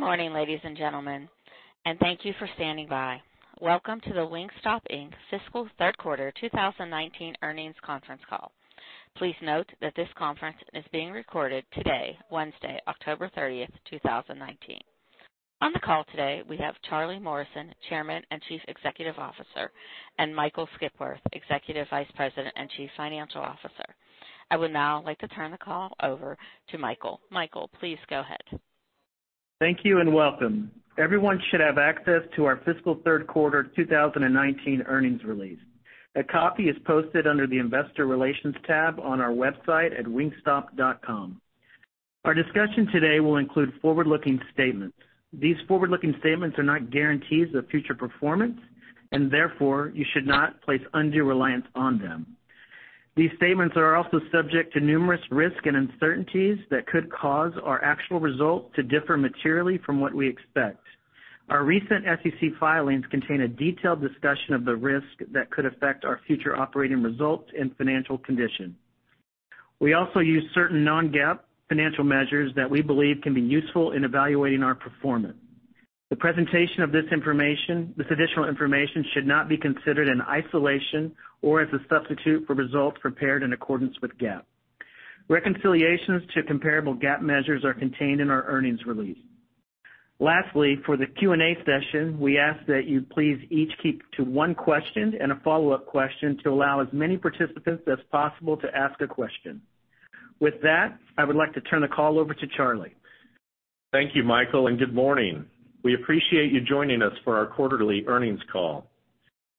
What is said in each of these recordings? Good morning, ladies and gentlemen, and thank you for standing by. Welcome to the Wingstop Inc. Fiscal Third Quarter 2019 Earnings Conference Call. Please note that this conference is being recorded today, Wednesday, October 30th, 2019. On the call today, we have Charlie Morrison, Chairman and Chief Executive Officer, and Michael Skipworth, Executive Vice President and Chief Financial Officer. I would now like to turn the call over to Michael. Michael, please go ahead. Thank you, and welcome. Everyone should have access to our fiscal third quarter 2019 earnings release. A copy is posted under the investor relations tab on our website at wingstop.com. Our discussion today will include forward-looking statements. These forward-looking statements are not guarantees of future performance. Therefore, you should not place undue reliance on them. These statements are also subject to numerous risks and uncertainties that could cause our actual results to differ materially from what we expect. Our recent SEC filings contain a detailed discussion of the risks that could affect our future operating results and financial condition. We also use certain non-GAAP financial measures that we believe can be useful in evaluating our performance. The presentation of this additional information should not be considered in isolation or as a substitute for results prepared in accordance with GAAP. Reconciliations to comparable GAAP measures are contained in our earnings release. Lastly, for the Q&A session, we ask that you please each keep to one question and a follow-up question to allow as many participants as possible to ask a question. With that, I would like to turn the call over to Charlie. Thank you, Michael, and good morning. We appreciate you joining us for our quarterly earnings call.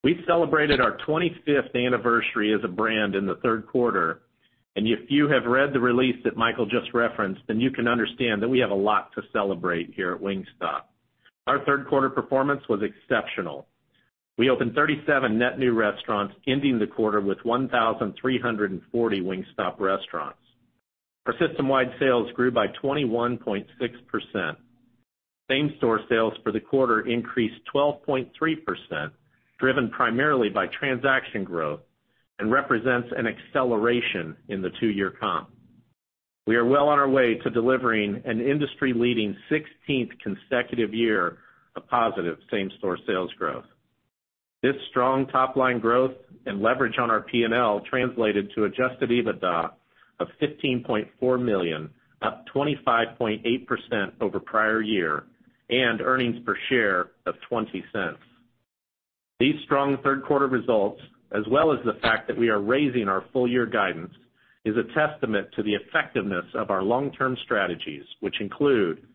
We celebrated our 25th anniversary as a brand in the third quarter. If you have read the release that Michael just referenced, you can understand that we have a lot to celebrate here at Wingstop. Our third quarter performance was exceptional. We opened 37 net new restaurants, ending the quarter with 1,340 Wingstop restaurants. Our system-wide sales grew by 21.6%. Same-store sales for the quarter increased 12.3%, driven primarily by transaction growth and represents an acceleration in the two-year comp. We are well on our way to delivering an industry-leading 16th consecutive year of positive same-store sales growth. This strong top-line growth and leverage on our P&L translated to adjusted EBITDA of $15.4 million, up 25.8% over the prior year. Earnings per share of $0.20. These strong third-quarter results, as well as the fact that we are raising our full-year guidance, is a testament to the effectiveness of our long-term strategies. Which include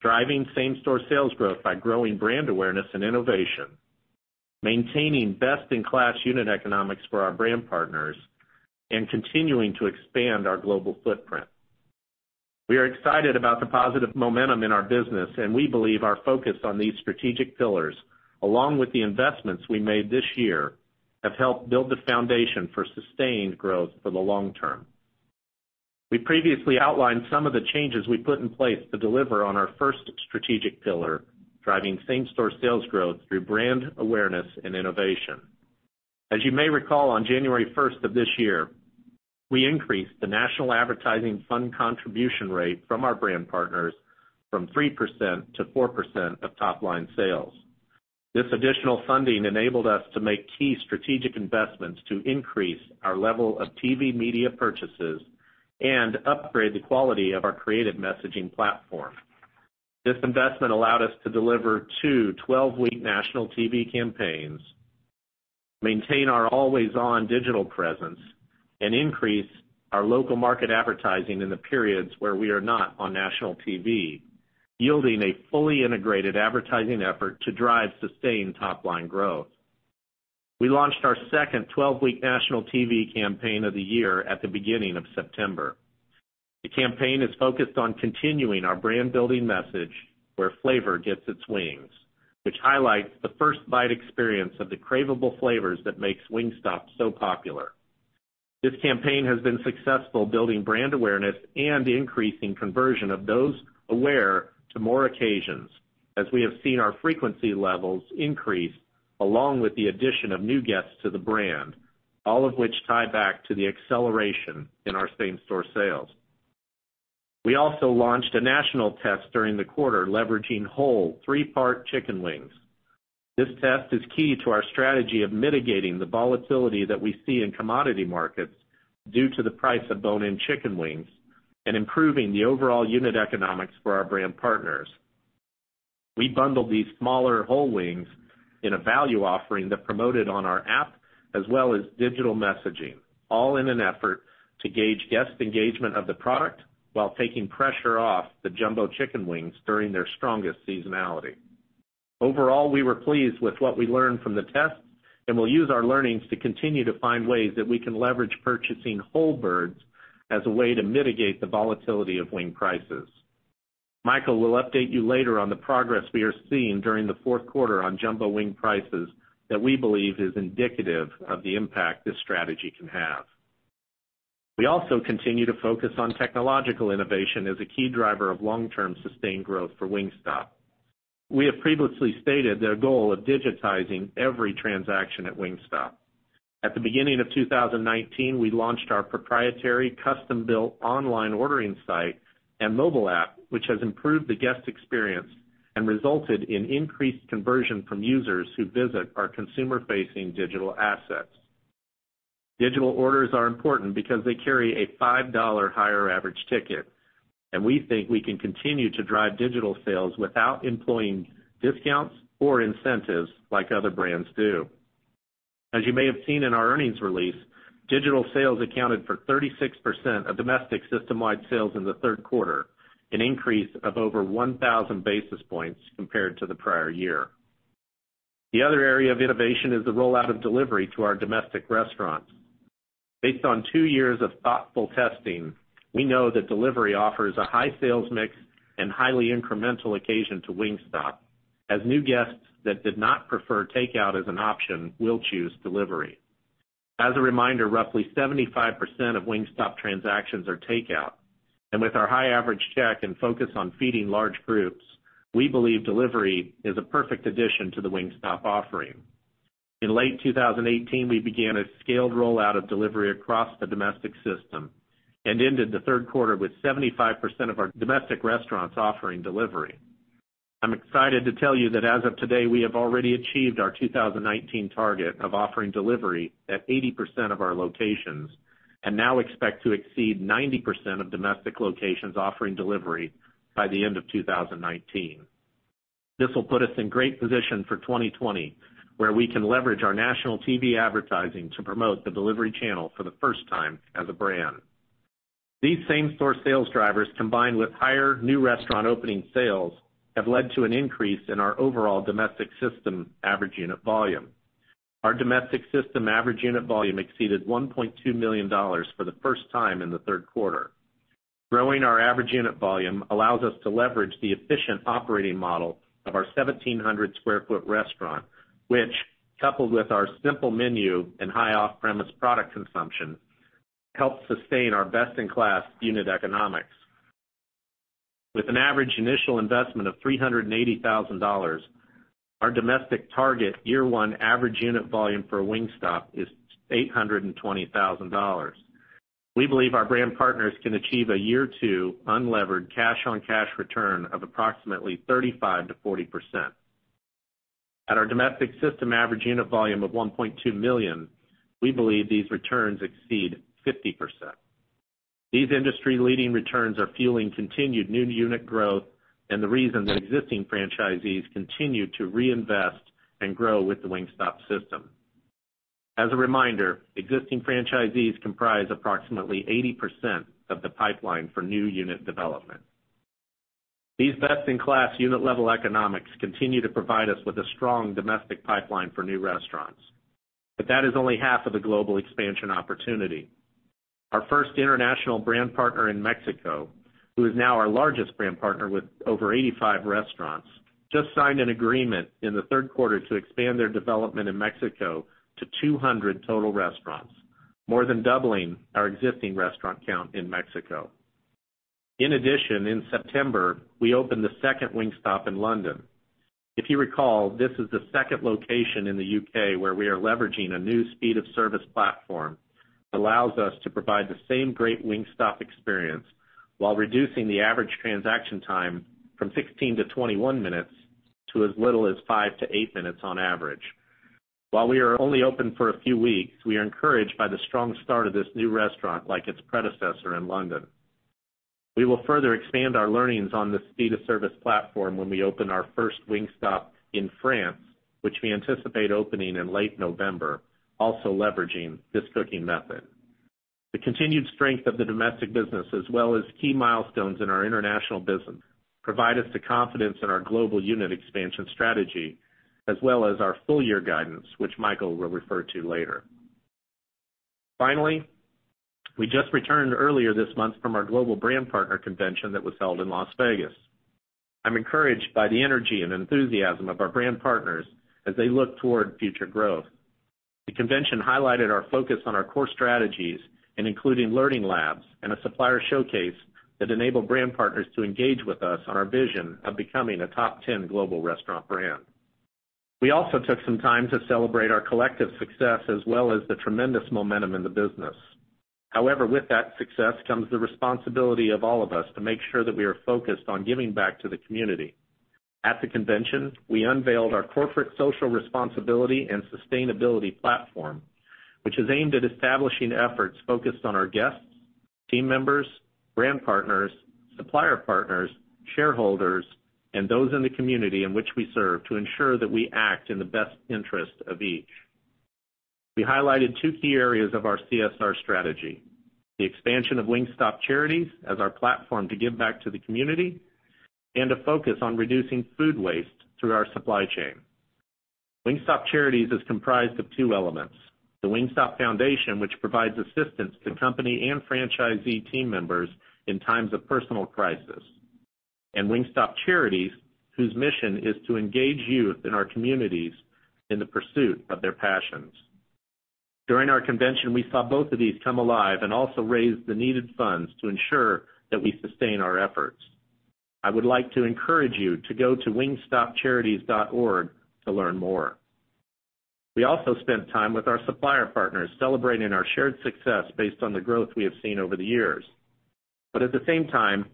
driving same-store sales growth by growing brand awareness and innovation, maintaining best-in-class unit economics for our brand partners, and continuing to expand our global footprint. We are excited about the positive momentum in our business, and we believe our focus on these strategic pillars, along with the investments we made this year, have helped build the foundation for sustained growth for the long term. We previously outlined some of the changes we put in place to deliver on our first strategic pillar, driving same-store sales growth through brand awareness and innovation. As you may recall, on January 1st of this year, we increased the national advertising fund contribution rate from our brand partners from 3% to 4% of top-line sales. This additional funding enabled us to make key strategic investments to increase our level of TV media purchases and upgrade the quality of our creative messaging platform. This investment allowed us to deliver two 12-week national TV campaigns, maintain our always-on digital presence, and increase our local market advertising in the periods where we are not on national TV, yielding a fully integrated advertising effort to drive sustained top-line growth. We launched our second 12-week national TV campaign of the year at the beginning of September. The campaign is focused on continuing our brand-building message, "Where Flavor Gets Its Wings," which highlights the first bite experience of the craveable flavors that make Wingstop so popular. This campaign has been successful building brand awareness and increasing conversion of those aware to more occasions, as we have seen our frequency levels increase along with the addition of new guests to the brand, all of which tie back to the acceleration in our same-store sales. We also launched a national test during the quarter leveraging whole three-part chicken wings. This test is key to our strategy of mitigating the volatility that we see in commodity markets due to the price of bone-in chicken wings and improving the overall unit economics for our brand partners. We bundled these smaller whole wings in a value offering that promoted on our app as well as digital messaging, all in an effort to gauge guest engagement of the product while taking pressure off the jumbo chicken wings during their strongest seasonality. Overall, we were pleased with what we learned from the test and will use our learnings to continue to find ways that we can leverage purchasing whole birds as a way to mitigate the volatility of wing prices. Michael will update you later on the progress we are seeing during the fourth quarter on jumbo wing prices that we believe is indicative of the impact this strategy can have. We also continue to focus on technological innovation as a key driver of long-term sustained growth for Wingstop. We have previously stated our goal of digitizing every transaction at Wingstop. At the beginning of 2019, we launched our proprietary custom-built online ordering site and mobile app, which has improved the guest experience and resulted in increased conversion from users who visit our consumer-facing digital assets. Digital orders are important because they carry a $5 higher average ticket, and we think we can continue to drive digital sales without employing discounts or incentives like other brands do. As you may have seen in our earnings release, digital sales accounted for 36% of domestic system-wide sales in the third quarter, an increase of over 1,000 basis points compared to the prior year. The other area of innovation is the rollout of delivery to our domestic restaurants. Based on two years of thoughtful testing, we know that delivery offers a high sales mix and highly incremental occasion to Wingstop, as new guests that did not prefer takeout as an option will choose delivery. As a reminder, roughly 75% of Wingstop transactions are takeout, and with our high average check and focus on feeding large groups, we believe delivery is a perfect addition to the Wingstop offering. In late 2018, we began a scaled rollout of delivery across the domestic system and ended the third quarter with 75% of our domestic restaurants offering delivery. I'm excited to tell you that as of today, we have already achieved our 2019 target of offering delivery at 80% of our locations, and now expect to exceed 90% of domestic locations offering delivery by the end of 2019. This will put us in great position for 2020, where we can leverage our national TV advertising to promote the delivery channel for the first time as a brand. These same-store sales drivers, combined with higher new restaurant opening sales, have led to an increase in our overall domestic system average unit volume. Our domestic system average unit volume exceeded $1.2 million for the first time in the third quarter. Growing our average unit volume allows us to leverage the efficient operating model of our 1,700 square foot restaurant, which coupled with our simple menu and high off-premise product consumption, helps sustain our best-in-class unit economics. With an average initial investment of $380,000, our domestic target year one average unit volume for Wingstop is $820,000. We believe our brand partners can achieve a year two unlevered cash-on-cash return of approximately 35%-40%. At our domestic system average unit volume of $1.2 million, we believe these returns exceed 50%. These industry-leading returns are fueling continued new unit growth and the reason that existing franchisees continue to reinvest and grow with the Wingstop system. As a reminder, existing franchisees comprise approximately 80% of the pipeline for new unit development. These best-in-class unit level economics continue to provide us with a strong domestic pipeline for new restaurants, but that is only half of the global expansion opportunity. Our first international brand partner in Mexico, who is now our largest brand partner with over 85 restaurants, just signed an agreement in the third quarter to expand their development in Mexico to 200 total restaurants, more than doubling our existing restaurant count in Mexico. In addition, in September, we opened the second Wingstop in London. If you recall, this is the second location in the U.K. where we are leveraging a new speed of service platform that allows us to provide the same great Wingstop experience while reducing the average transaction time from 16-21 minutes to as little as 5-8 minutes on average. While we are only open for a few weeks, we are encouraged by the strong start of this new restaurant, like its predecessor in London. We will further expand our learnings on the speed of service platform when we open our first Wingstop in France, which we anticipate opening in late November, also leveraging this cooking method. The continued strength of the domestic business, as well as key milestones in our international business, provide us the confidence in our global unit expansion strategy as well as our full year guidance, which Michael will refer to later. Finally, we just returned earlier this month from our global brand partner convention that was held in Las Vegas. I'm encouraged by the energy and enthusiasm of our brand partners as they look toward future growth. The convention highlighted our focus on our core strategies and including learning labs and a supplier showcase that enable brand partners to engage with us on our vision of becoming a top 10 global restaurant brand. We also took some time to celebrate our collective success as well as the tremendous momentum in the business. With that success comes the responsibility of all of us to make sure that we are focused on giving back to the community. At the convention, we unveiled our corporate social responsibility and sustainability platform, which is aimed at establishing efforts focused on our guests, team members, brand partners, supplier partners, shareholders, and those in the community in which we serve to ensure that we act in the best interest of each. We highlighted two key areas of our CSR strategy, the expansion of Wingstop Charities as our platform to give back to the community, and a focus on reducing food waste through our supply chain. Wingstop Charities is comprised of two elements, the Wingstop Foundation, which provides assistance to company and franchisee team members in times of personal crisis, and Wingstop Charities, whose mission is to engage youth in our communities in the pursuit of their passions. During our convention, we saw both of these come alive and also raise the needed funds to ensure that we sustain our efforts. I would like to encourage you to go to wingstopcharities.org to learn more. We also spent time with our supplier partners celebrating our shared success based on the growth we have seen over the years. At the same time,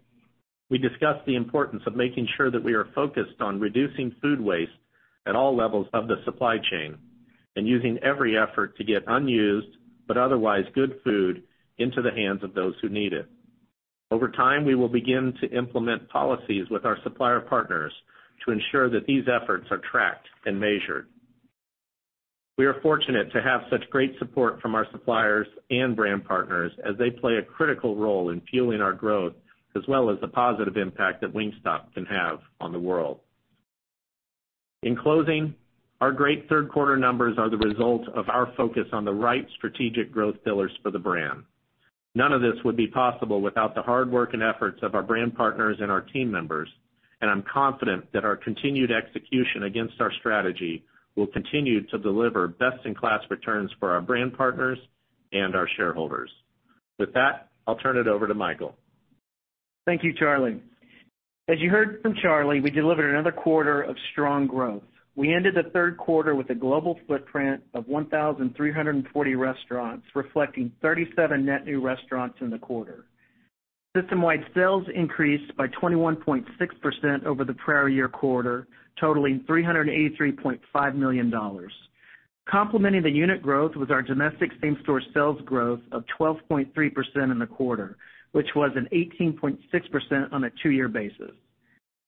we discussed the importance of making sure that we are focused on reducing food waste at all levels of the supply chain and using every effort to get unused, but otherwise good food into the hands of those who need it. Over time, we will begin to implement policies with our supplier partners to ensure that these efforts are tracked and measured. We are fortunate to have such great support from our suppliers and brand partners as they play a critical role in fueling our growth, as well as the positive impact that Wingstop can have on the world. In closing, our great third quarter numbers are the result of our focus on the right strategic growth pillars for the brand. None of this would be possible without the hard work and efforts of our brand partners and our team members, and I'm confident that our continued execution against our strategy will continue to deliver best-in-class returns for our brand partners and our shareholders. With that, I'll turn it over to Michael. Thank you, Charlie. As you heard from Charlie, we delivered another quarter of strong growth. We ended the third quarter with a global footprint of 1,340 restaurants, reflecting 37 net new restaurants in the quarter. System-wide sales increased by 21.6% over the prior year quarter, totaling $383.5 million. Complementing the unit growth was our domestic same-store sales growth of 12.3% in the quarter, which was an 18.6% on a two-year basis.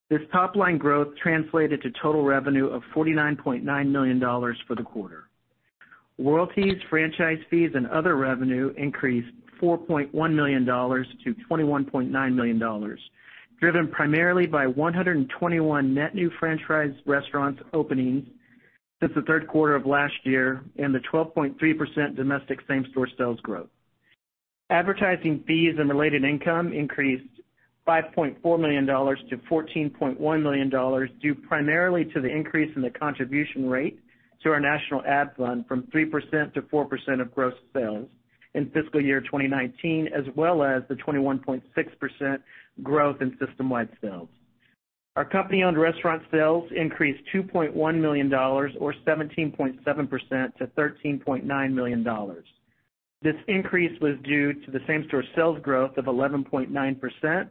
This top-line growth translated to total revenue of $49.9 million for the quarter. Royalties, franchise fees, and other revenue increased $4.1 million to $21.9 million, driven primarily by 121 net new franchise restaurants openings since the third quarter of last year and the 12.3% domestic same-store sales growth. Advertising fees and related income increased $5.4 million to $14.1 million, due primarily to the increase in the contribution rate to our national ad fund from 3% to 4% of gross sales in fiscal year 2019, as well as the 21.6% growth in system-wide sales. Our company-owned restaurant sales increased $2.1 million or 17.7% to $13.9 million. This increase was due to the same-store sales growth of 11.9%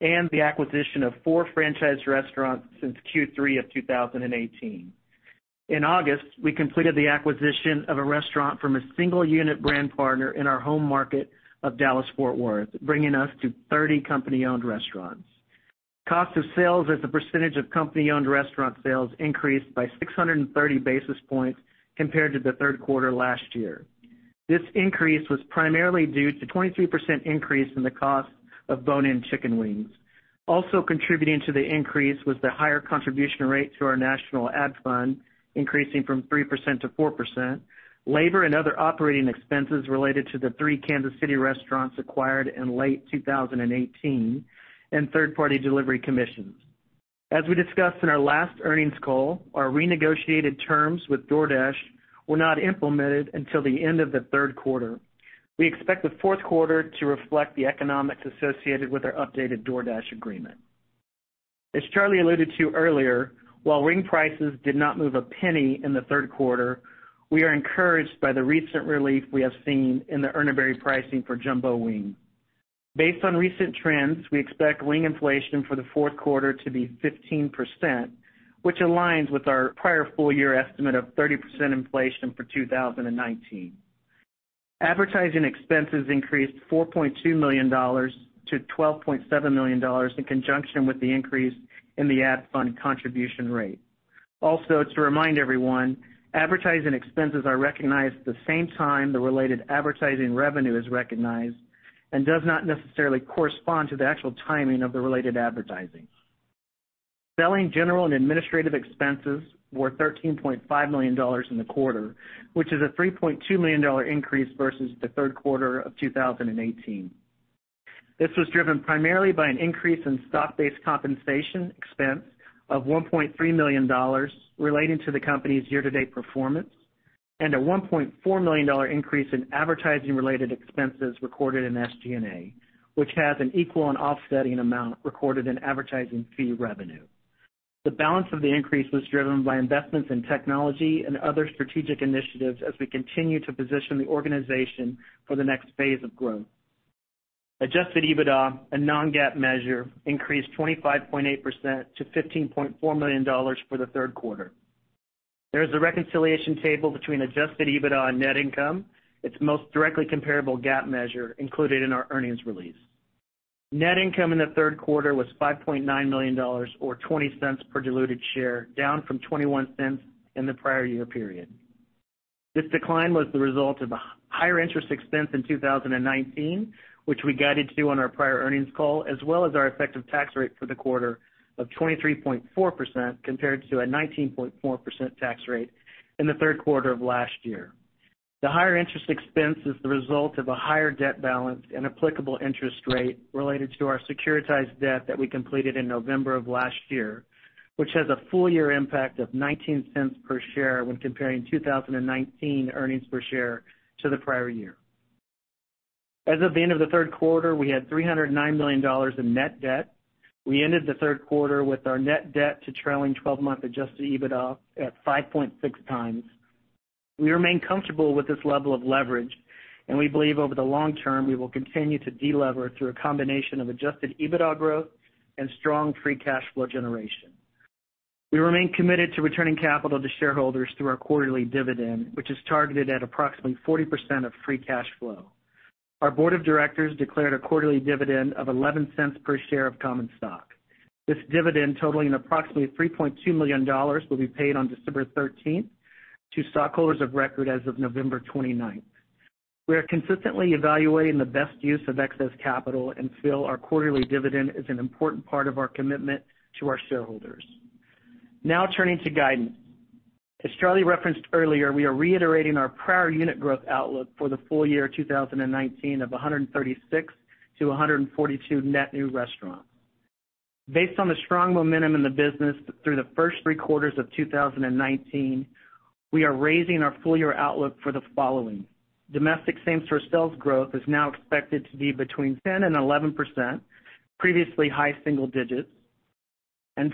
and the acquisition of four franchise restaurants since Q3 of 2018. In August, we completed the acquisition of a restaurant from a single unit brand partner in our home market of Dallas-Fort Worth, bringing us to 30 company-owned restaurants. Cost of sales as a percentage of company-owned restaurant sales increased by 630 basis points compared to the third quarter last year. This increase was primarily due to 23% increase in the cost of bone-in chicken wings. Also contributing to the increase was the higher contribution rate to our national ad fund, increasing from 3% to 4%, labor and other operating expenses related to the three Kansas City restaurants acquired in late 2018, and third-party delivery commissions. As we discussed in our last earnings call, our renegotiated terms with DoorDash were not implemented until the end of the third quarter. We expect the fourth quarter to reflect the economics associated with our updated DoorDash agreement. As Charlie alluded to earlier, while wing prices did not move a penny in the third quarter, we are encouraged by the recent relief we have seen in the Urner Barry pricing for jumbo wings. Based on recent trends, we expect wing inflation for the fourth quarter to be 15%, which aligns with our prior full year estimate of 30% inflation for 2019. Advertising expenses increased $4.2 million to $12.7 million in conjunction with the increase in the ad fund contribution rate. Also, to remind everyone, advertising expenses are recognized the same time the related advertising revenue is recognized and does not necessarily correspond to the actual timing of the related advertising. Selling, General and Administrative expenses were $13.5 million in the quarter, which is a $3.2 million increase versus the third quarter of 2018. This was driven primarily by an increase in stock-based compensation expense of $1.3 million relating to the company's year-to-date performance and a $1.4 million increase in advertising related expenses recorded in SG&A, which has an equal and offsetting amount recorded in advertising fee revenue. The balance of the increase was driven by investments in technology and other strategic initiatives as we continue to position the organization for the next phase of growth. Adjusted EBITDA, a non-GAAP measure, increased 25.8% to $15.4 million for the third quarter. There is a reconciliation table between adjusted EBITDA and net income. Its most directly comparable GAAP measure included in our earnings release. Net income in the third quarter was $5.9 million, or $0.20 per diluted share, down from $0.21 in the prior year period. This decline was the result of a higher interest expense in 2019, which we guided to on our prior earnings call, as well as our effective tax rate for the quarter of 23.4% compared to a 19.4% tax rate in the third quarter of last year. The higher interest expense is the result of a higher debt balance and applicable interest rate related to our securitized debt that we completed in November of last year, which has a full year impact of $0.19 per share when comparing 2019 earnings per share to the prior year. As of the end of the third quarter, we had $309 million in net debt. We ended the third quarter with our net debt to trailing 12-month adjusted EBITDA at 5.6 times. We remain comfortable with this level of leverage, and we believe over the long term, we will continue to de-lever through a combination of adjusted EBITDA growth and strong free cash flow generation. We remain committed to returning capital to shareholders through our quarterly dividend, which is targeted at approximately 40% of free cash flow. Our board of directors declared a quarterly dividend of $0.11 per share of common stock. This dividend, totaling approximately $3.2 million, will be paid on December 13th to stockholders of record as of November 29th. We are consistently evaluating the best use of excess capital and feel our quarterly dividend is an important part of our commitment to our shareholders. Now turning to guidance. As Charlie referenced earlier, we are reiterating our prior unit growth outlook for the full year 2019 of 136-142 net new restaurants. Based on the strong momentum in the business through the first three quarters of 2019, we are raising our full year outlook for the following. Domestic same-store sales growth is now expected to be between 10% and 11%, previously high single digits.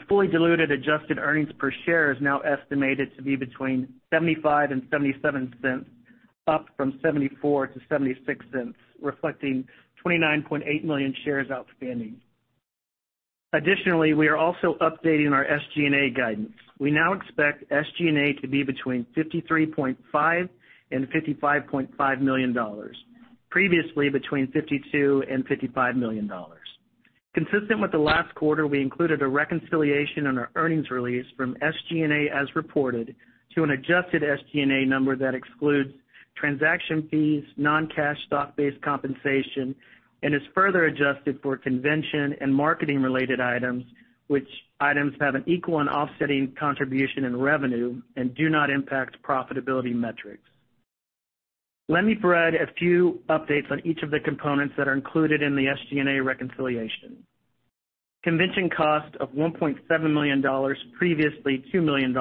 Fully diluted adjusted earnings per share is now estimated to be between $0.75 and $0.77, up from $0.74-$0.76, reflecting 29.8 million shares outstanding. Additionally, we are also updating our SG&A guidance. We now expect SG&A to be between $53.5 million and $55.5 million, previously between $52 million and $55 million. Consistent with the last quarter, we included a reconciliation on our earnings release from SG&A as reported to an adjusted SG&A number that excludes transaction fees, non-cash stock-based compensation, and is further adjusted for convention and marketing related items, which items have an equal and offsetting contribution in revenue and do not impact profitability metrics. Let me provide a few updates on each of the components that are included in the SG&A reconciliation. Convention cost of $1.7 million, previously $2 million.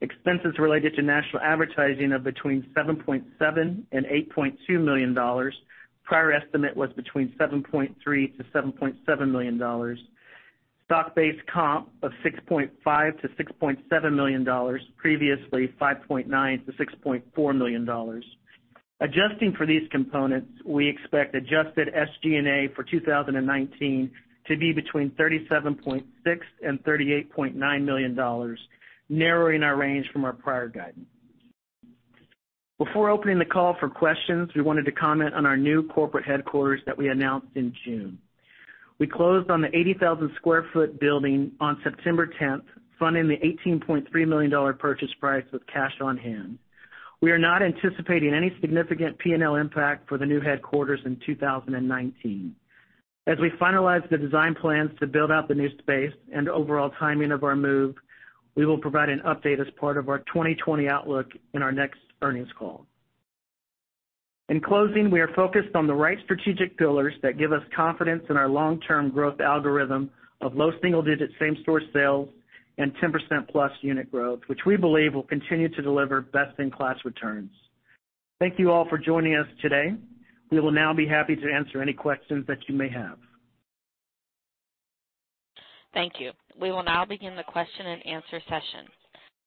Expenses related to national advertising of between $7.7 million and $8.2 million. Prior estimate was between $7.3 million to $7.7 million. Stock-based comp of $6.5 million to $6.7 million, previously $5.9 million to $6.4 million. Adjusting for these components, we expect adjusted SG&A for 2019 to be between $37.6 million and $38.9 million, narrowing our range from our prior guidance. Before opening the call for questions, we wanted to comment on our new corporate headquarters that we announced in June. We closed on the 80,000 square foot building on September 10th, funding the $18.3 million purchase price with cash on hand. We are not anticipating any significant P&L impact for the new headquarters in 2019. As we finalize the design plans to build out the new space and overall timing of our move, we will provide an update as part of our 2020 outlook in our next earnings call. In closing, we are focused on the right strategic pillars that give us confidence in our long-term growth algorithm of low single digit same-store sales and 10% plus unit growth, which we believe will continue to deliver best-in-class returns. Thank you all for joining us today. We will now be happy to answer any questions that you may have. Thank you. We will now begin the question and answer session.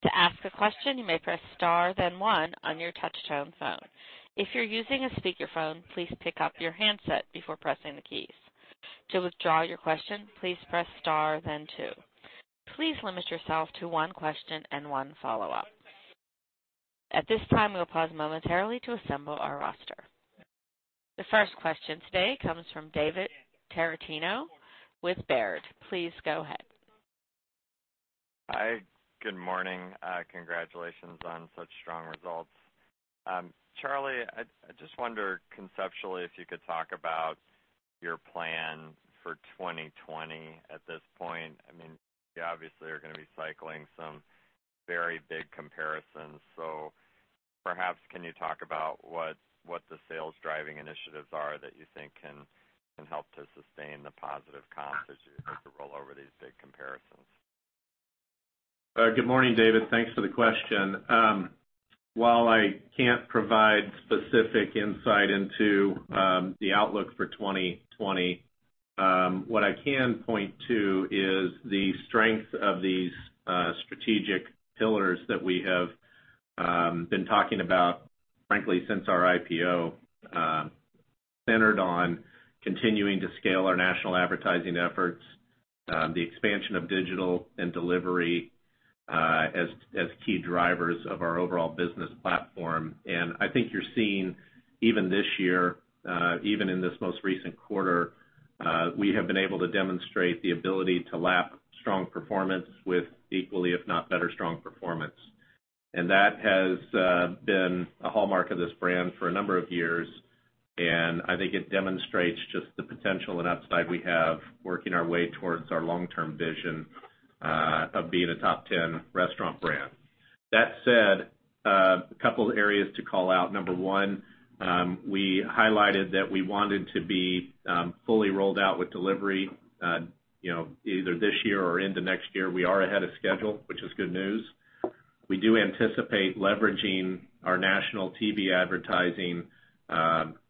To ask a question, you may press star then one on your touchtone phone. If you're using a speakerphone, please pick up your handset before pressing the keys. To withdraw your question, please press star then two. Please limit yourself to one question and one follow-up. At this time, we will pause momentarily to assemble our roster. The first question today comes from David Tarantino with Baird. Please go ahead. Hi. Good morning. Congratulations on such strong results. Charlie, I just wonder conceptually if you could talk about your plan for 2020 at this point. You obviously are going to be cycling some very big comparisons, perhaps can you talk about what the sales driving initiatives are that you think can help to sustain the positive comps as you have to roll over these big comparisons? Good morning, David. Thanks for the question. While I can't provide specific insight into the outlook for 2020, what I can point to is the strength of these strategic pillars that we have been talking about, frankly, since our IPO, centered on continuing to scale our national advertising efforts, the expansion of digital and delivery, as key drivers of our overall business platform. I think you're seeing even this year, even in this most recent quarter, we have been able to demonstrate the ability to lap strong performance with equally, if not better strong performance. That has been a hallmark of this brand for a number of years, and I think it demonstrates just the potential and upside we have working our way towards our long-term vision of being a top 10 restaurant brand. That said, a couple areas to call out. Number one, we highlighted that we wanted to be fully rolled out with delivery either this year or into next year. We are ahead of schedule, which is good news. We do anticipate leveraging our national TV advertising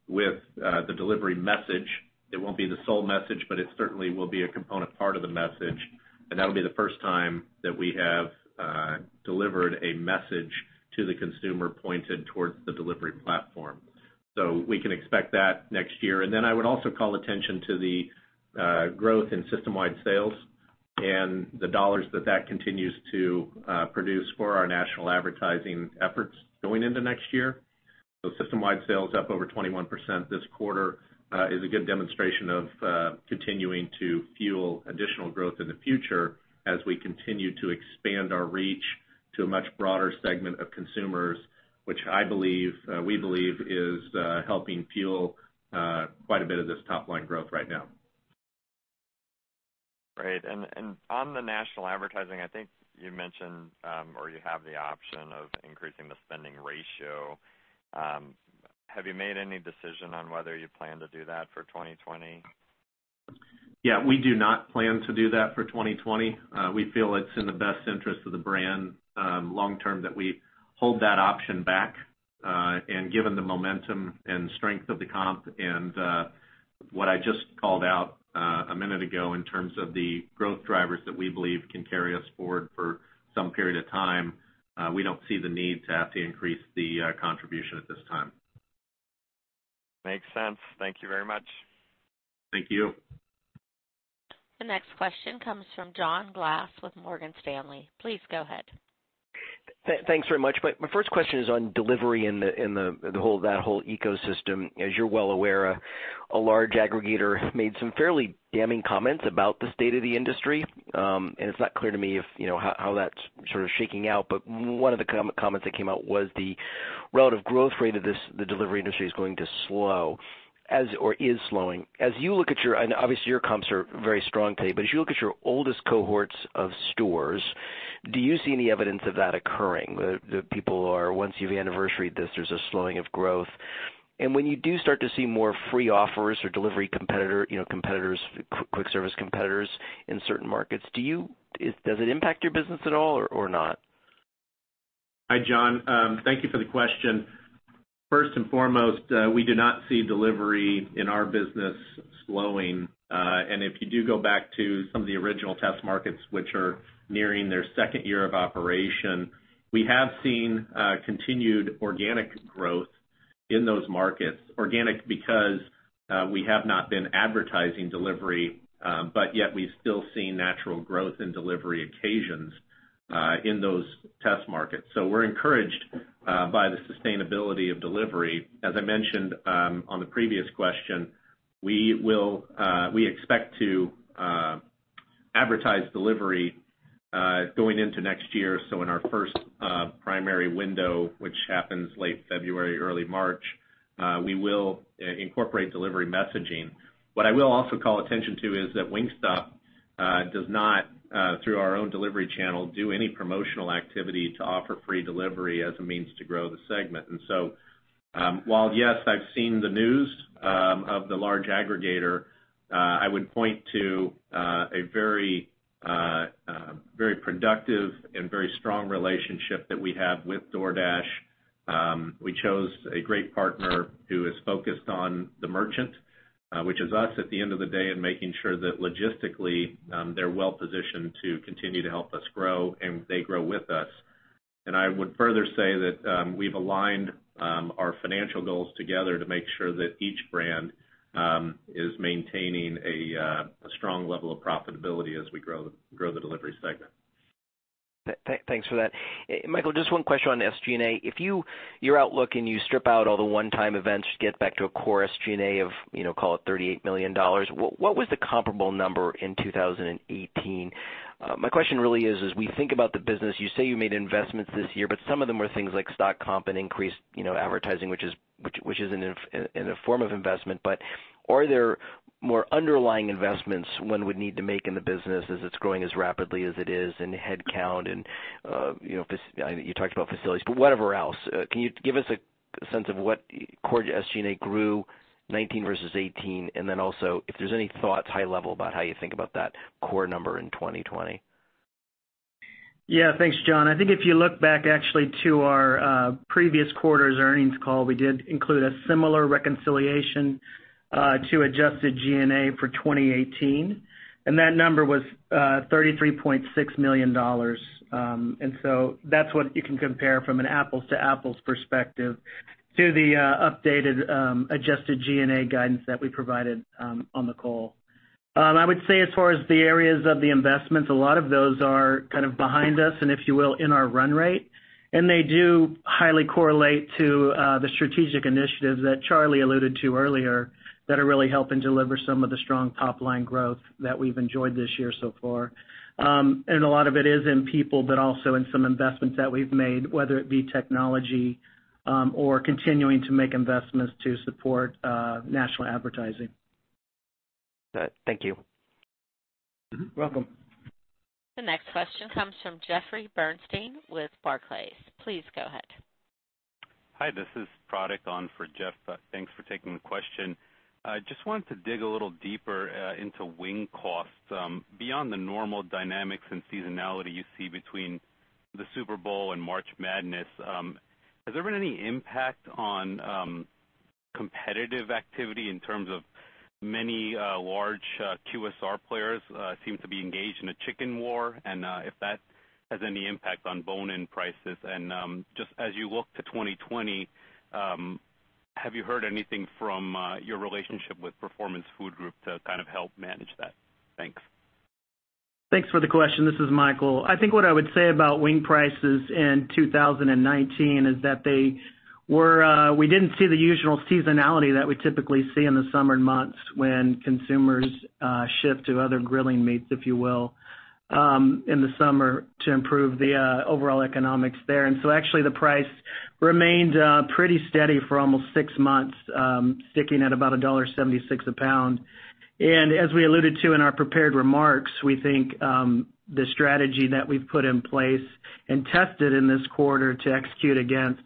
with the delivery message. It won't be the sole message, but it certainly will be a component part of the message, and that'll be the first time that we have delivered a message to the consumer pointed towards the delivery platform. We can expect that next year. I would also call attention to the growth in system-wide sales and the dollars that that continues to produce for our national advertising efforts going into next year. System-wide sales up over 21% this quarter is a good demonstration of continuing to fuel additional growth in the future as we continue to expand our reach to a much broader segment of consumers, which we believe is helping fuel quite a bit of this top-line growth right now. Right. On the national advertising, I think you mentioned, or you have the option of increasing the spending ratio. Have you made any decision on whether you plan to do that for 2020? Yeah, we do not plan to do that for 2020. We feel it's in the best interest of the brand, long term, that we hold that option back. Given the momentum and strength of the comp and what I just called out a minute ago in terms of the growth drivers that we believe can carry us forward for some period of time, we don't see the need to have to increase the contribution at this time. Makes sense. Thank you very much. Thank you. The next question comes from John Glass with Morgan Stanley. Please go ahead. Thanks very much. My first question is on delivery and that whole ecosystem. As you're well aware, a large aggregator made some fairly damning comments about the state of the industry. It's not clear to me how that's sort of shaking out. One of the comments that came out was the relative growth rate of the delivery industry is going to slow, or is slowing. As you look at your, and obviously your comps are very strong today, but as you look at your oldest cohorts of stores, do you see any evidence of that occurring? Once you've anniversaried this, there's a slowing of growth. When you do start to see more free offers or delivery competitors, quick service competitors in certain markets, does it impact your business at all or not? Hi, John. Thank you for the question. First and foremost, we do not see delivery in our business slowing. If you do go back to some of the original test markets, which are nearing their second year of operation, we have seen continued organic growth in those markets. Organic because we have not been advertising delivery, yet we've still seen natural growth in delivery occasions in those test markets. We're encouraged by the sustainability of delivery. As I mentioned on the previous question, we expect to advertise delivery going into next year. In our first primary window, which happens late February, early March, we will incorporate delivery messaging. What I will also call attention to is that Wingstop does not, through our own delivery channel, do any promotional activity to offer free delivery as a means to grow the segment. While yes, I've seen the news of the large aggregator, I would point to a very productive and very strong relationship that we have with DoorDash. We chose a great partner who is focused on the merchant, which is us at the end of the day, and making sure that logistically, they're well-positioned to continue to help us grow, and they grow with us. I would further say that we've aligned our financial goals together to make sure that each brand is maintaining a strong level of profitability as we grow the delivery segment. Thanks for that. Michael, just one question on SG&A. If your outlook and you strip out all the one-time events to get back to a core SG&A of, call it $38 million, what was the comparable number in 2018? My question really is as we think about the business, you say you made investments this year, but some of them were things like stock comp and increased advertising, which is a form of investment. Are there more underlying investments one would need to make in the business as it's growing as rapidly as it is in headcount and you talked about facilities, but whatever else. Can you give us a sense of what core SG&A grew 2019 versus 2018, and then also if there's any thoughts, high level, about how you think about that core number in 2020? Yeah. Thanks, John. I think if you look back actually to our previous quarter's earnings call, we did include a similar reconciliation to adjusted G&A for 2018, and that number was $33.6 million. That's what you can compare from an apples to apples perspective to the updated adjusted G&A guidance that we provided on the call. I would say as far as the areas of the investments, a lot of those are kind of behind us and if you will, in our run rate, and they do highly correlate to the strategic initiatives that Charlie alluded to earlier that are really helping deliver some of the strong top-line growth that we've enjoyed this year so far. A lot of it is in people, but also in some investments that we've made, whether it be technology or continuing to make investments to support national advertising. Thank you. You're welcome. The next question comes from Jeffrey Bernstein with Barclays. Please go ahead. Hi, this is Parekh on for Jeff. Thanks for taking the question. Just wanted to dig a little deeper into wing costs. Beyond the normal dynamics and seasonality you see between the Super Bowl and March Madness, has there been any impact on competitive activity in terms of many large QSR players seem to be engaged in a chicken war, and if that has any impact on bone-in prices? Just as you look to 2020, have you heard anything from your relationship with Performance Food Group to help manage that? Thanks. Thanks for the question. This is Michael. I think what I would say about wing prices in 2019 is that we didn't see the usual seasonality that we typically see in the summer months when consumers shift to other grilling meats, if you will, in the summer to improve the overall economics there. Actually the price remained pretty steady for almost six months, sticking at about $1.76 a pound. As we alluded to in our prepared remarks, we think the strategy that we've put in place and tested in this quarter to execute against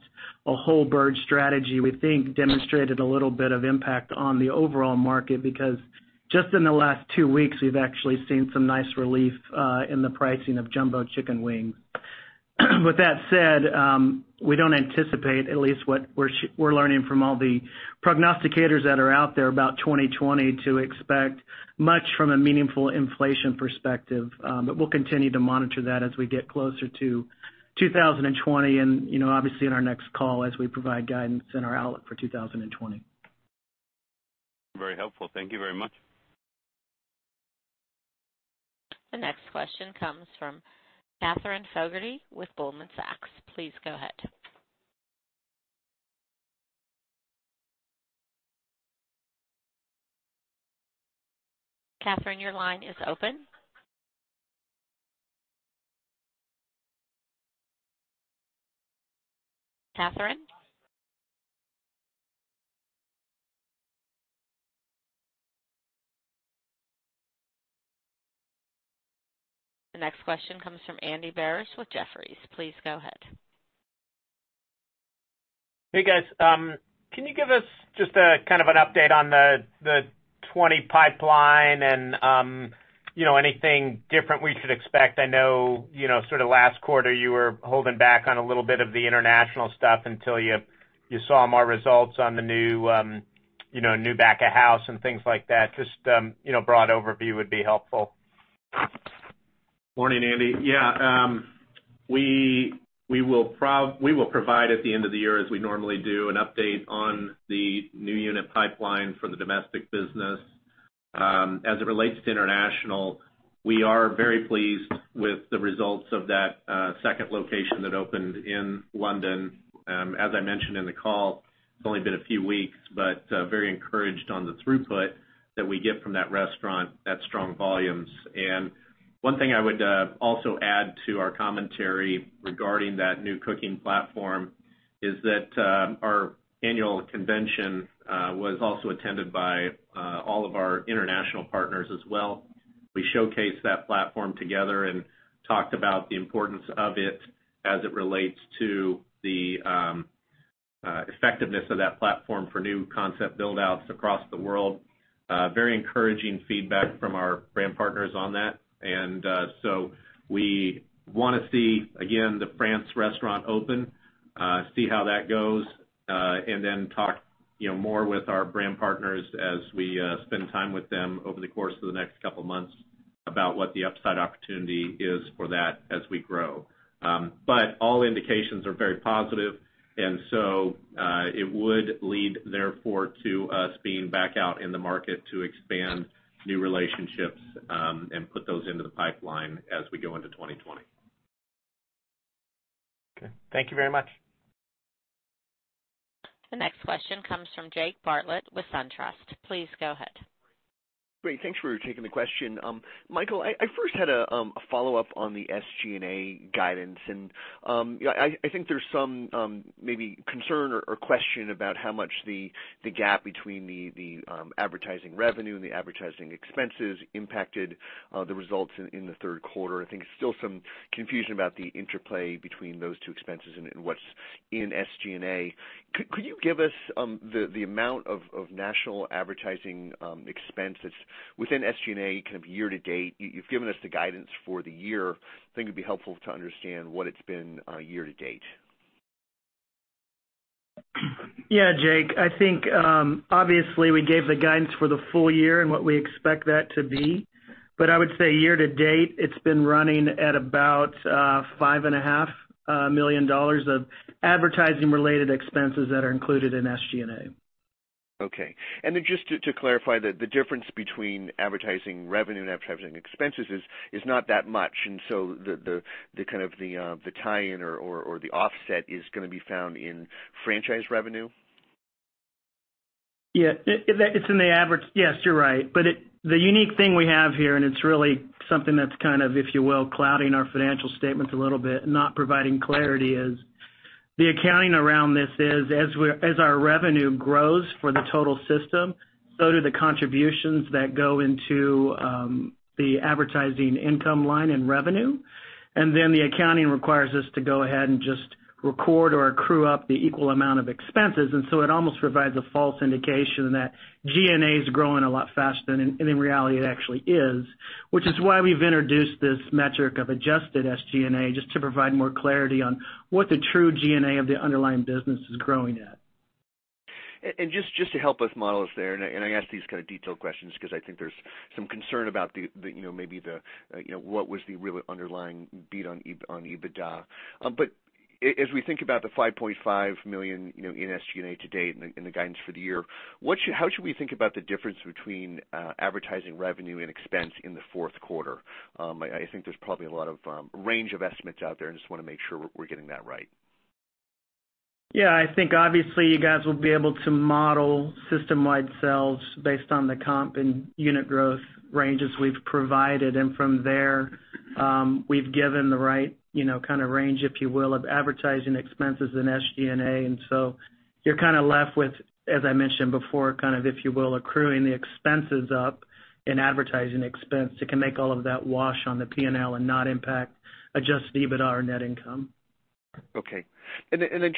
a whole bird strategy, we think demonstrated a little bit of impact on the overall market because just in the last two weeks, we've actually seen some nice relief in the pricing of jumbo chicken wings. With that said, we don't anticipate, at least what we're learning from all the prognosticators that are out there about 2020, to expect much from a meaningful inflation perspective. We'll continue to monitor that as we get closer to 2020 and obviously in our next call as we provide guidance in our outlook for 2020. Very helpful. Thank you very much. The next question comes from Katherine Fogertey with Goldman Sachs. Please go ahead. Katherine, your line is open. Katherine? The next question comes from Andy Barish with Jefferies. Please go ahead. Hey, guys. Can you give us just an update on the 2020 pipeline and anything different we should expect? I know last quarter you were holding back on a little bit of the international stuff until you saw more results on the new back of house and things like that. Just broad overview would be helpful. Morning, Andy. Yeah, we will provide at the end of the year, as we normally do, an update on the new unit pipeline for the domestic business. As it relates to international, we are very pleased with the results of that second location that opened in London. As I mentioned in the call, it's only been a few weeks, but very encouraged on the throughput that we get from that restaurant at strong volumes. One thing I would also add to our commentary regarding that new cooking platform is that our annual convention was also attended by all of our international partners as well. We showcased that platform together and talked about the importance of it as it relates to the effectiveness of that platform for new concept build-outs across the world. Very encouraging feedback from our brand partners on that. We want to see, again, the France restaurant open, see how that goes, and then talk more with our brand partners as we spend time with them over the course of the next couple of months about what the upside opportunity is for that as we grow. All indications are very positive, and so it would lead therefore to us being back out in the market to expand new relationships and put those into the pipeline as we go into 2020. Okay. Thank you very much. The next question comes from Jake Bartlett with SunTrust. Please go ahead. Great. Thanks for taking the question. Michael, I first had a follow-up on the SG&A guidance. I think there's some maybe concern or question about how much the gap between the advertising revenue and the advertising expenses impacted the results in the third quarter. I think there's still some confusion about the interplay between those two expenses and what's in SG&A. Could you give us the amount of national advertising expense that's within SG&A year to date? You've given us the guidance for the year. I think it'd be helpful to understand what it's been year to date. Yeah, Jake. I think, obviously we gave the guidance for the full year and what we expect that to be. I would say year-to-date, it's been running at about $5.5 million of advertising related expenses that are included in SG&A. Okay. Just to clarify, the difference between advertising revenue and advertising expenses is not that much, the tie-in or the offset is going to be found in franchise revenue? Yeah. Yes, you're right. The unique thing we have here, and it's really something that's, if you will, clouding our financial statements a little bit, not providing clarity is. The accounting around this is, as our revenue grows for the total system, so do the contributions that go into the advertising income line and revenue. The accounting requires us to go ahead and just record or accrue up the equal amount of expenses. It almost provides a false indication that G&A is growing a lot faster than in reality it actually is, which is why we've introduced this metric of adjusted SG&A, just to provide more clarity on what the true G&A of the underlying business is growing at. Just to help us model this there, and I ask these kind of detailed questions because I think there's some concern about what was the really underlying beat on EBITDA. As we think about the $5.5 million in SG&A to date and the guidance for the year, how should we think about the difference between advertising revenue and expense in the fourth quarter? I think there's probably a lot of range of estimates out there, and just want to make sure we're getting that right. Yeah, I think obviously you guys will be able to model system-wide sales based on the comp and unit growth ranges we've provided. From there, we've given the right kind of range, if you will, of advertising expenses and SG&A. You're kind of left with, as I mentioned before, kind of, if you will, accruing the expenses up in advertising expense that can make all of that wash on the P&L and not impact adjusted EBITDA or net income. Okay.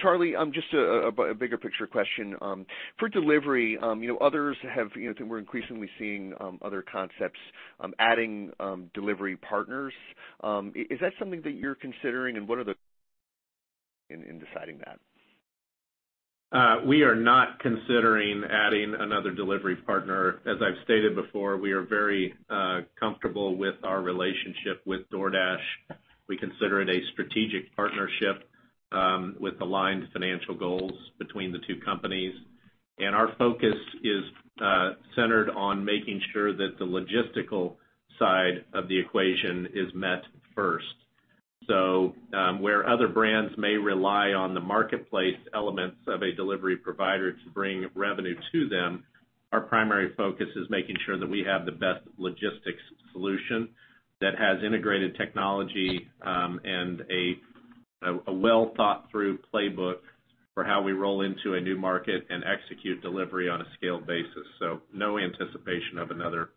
Charlie, just a bigger picture question. For delivery, we're increasingly seeing other concepts adding delivery partners. Is that something that you're considering, and what are the in deciding that? We are not considering adding another delivery partner. As I've stated before, we are very comfortable with our relationship with DoorDash. We consider it a strategic partnership with aligned financial goals between the two companies, and our focus is centered on making sure that the logistical side of the equation is met first. Where other brands may rely on the marketplace elements of a delivery provider to bring revenue to them, our primary focus is making sure that we have the best logistics solution that has integrated technology, and a well-thought-through playbook for how we roll into a new market and execute delivery on a scaled basis. No anticipation of another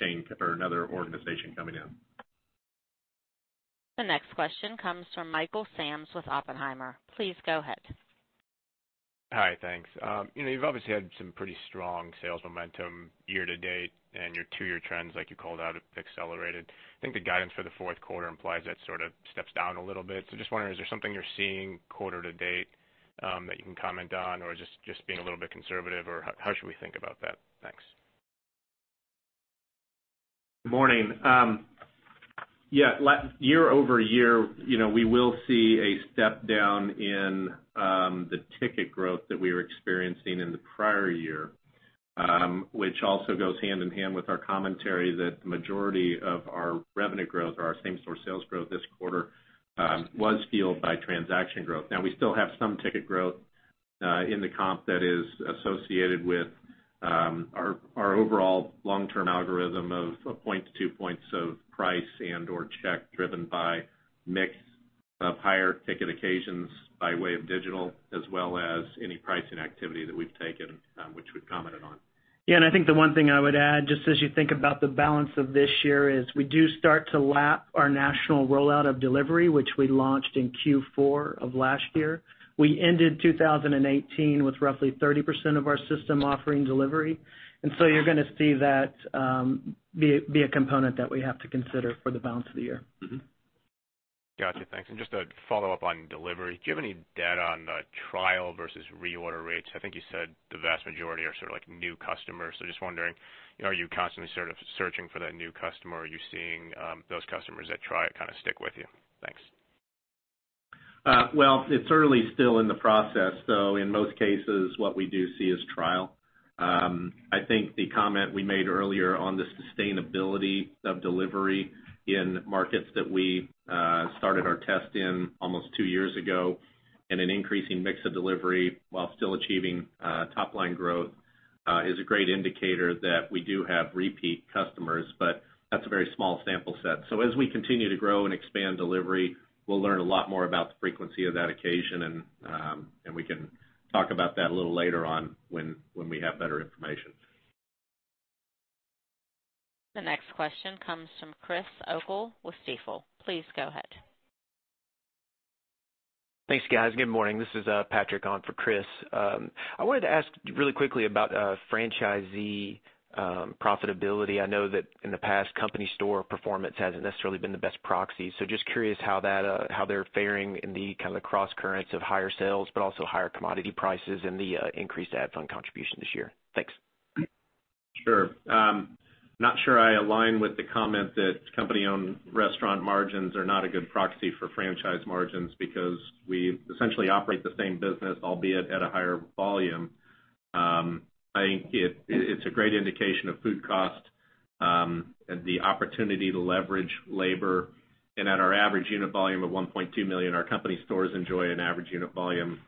chain or another organization coming in. The next question comes from Michael Tamas with Oppenheimer. Please go ahead. Hi, thanks. You've obviously had some pretty strong sales momentum year to date, and your two-year trends, like you called out, have accelerated. I think the guidance for the fourth quarter implies that sort of steps down a little bit. Just wondering, is there something you're seeing quarter to date that you can comment on, or just being a little bit conservative, or how should we think about that? Thanks. Good morning. Year-over-year, we will see a step down in the ticket growth that we were experiencing in the prior year, which also goes hand in hand with our commentary that the majority of our revenue growth or our same-store sales growth this quarter was fueled by transaction growth. We still have some ticket growth in the comp that is associated with our overall long-term algorithm of a point to two points of price and/or check driven by mix of higher ticket occasions by way of digital, as well as any pricing activity that we've taken, which we've commented on. Yeah, I think the one thing I would add, just as you think about the balance of this year, is we do start to lap our national rollout of delivery, which we launched in Q4 of last year. We ended 2018 with roughly 30% of our system offering delivery, you're going to see that be a component that we have to consider for the balance of the year. Got you. Thanks. Just a follow-up on delivery. Do you have any data on the trial versus reorder rates? I think you said the vast majority are sort of new customers. Just wondering, are you constantly sort of searching for that new customer, or are you seeing those customers that try it kind of stick with you? Thanks. Well, it's early still in the process. In most cases what we do see is trial. I think the comment we made earlier on the sustainability of delivery in markets that we started our test in almost two years ago, and an increasing mix of delivery while still achieving top line growth is a great indicator that we do have repeat customers. That's a very small sample set. As we continue to grow and expand delivery, we'll learn a lot more about the frequency of that occasion, and we can talk about that a little later on when we have better information. The next question comes from Chris O'Cull with Stifel. Please go ahead. Thanks, guys. Good morning. This is Patrick on for Chris. I wanted to ask really quickly about franchisee profitability. I know that in the past, company store performance hasn't necessarily been the best proxy. Just curious how they're faring in the kind of cross currents of higher sales, but also higher commodity prices and the increased ad fund contribution this year. Thanks. Sure. Not sure I align with the comment that company-owned restaurant margins are not a good proxy for franchise margins because we essentially operate the same business, albeit at a higher volume. I think it's a great indication of food cost and the opportunity to leverage labor. At our average unit volume of $1.2 million, our company stores enjoy an average unit volume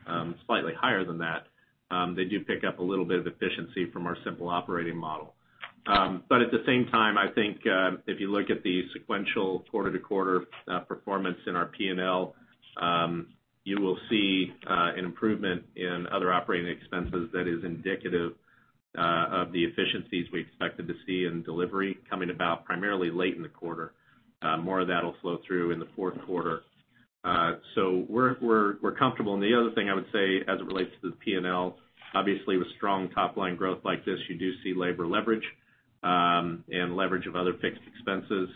slightly higher than that. They do pick up a little bit of efficiency from our simple operating model. At the same time, I think if you look at the sequential quarter-to-quarter performance in our P&L, you will see an improvement in other operating expenses that is indicative of the efficiencies we expected to see in delivery coming about primarily late in the quarter. More of that'll flow through in the fourth quarter. We're comfortable. The other thing I would say as it relates to the P&L, obviously with strong top-line growth like this, you do see labor leverage and leverage of other fixed expenses.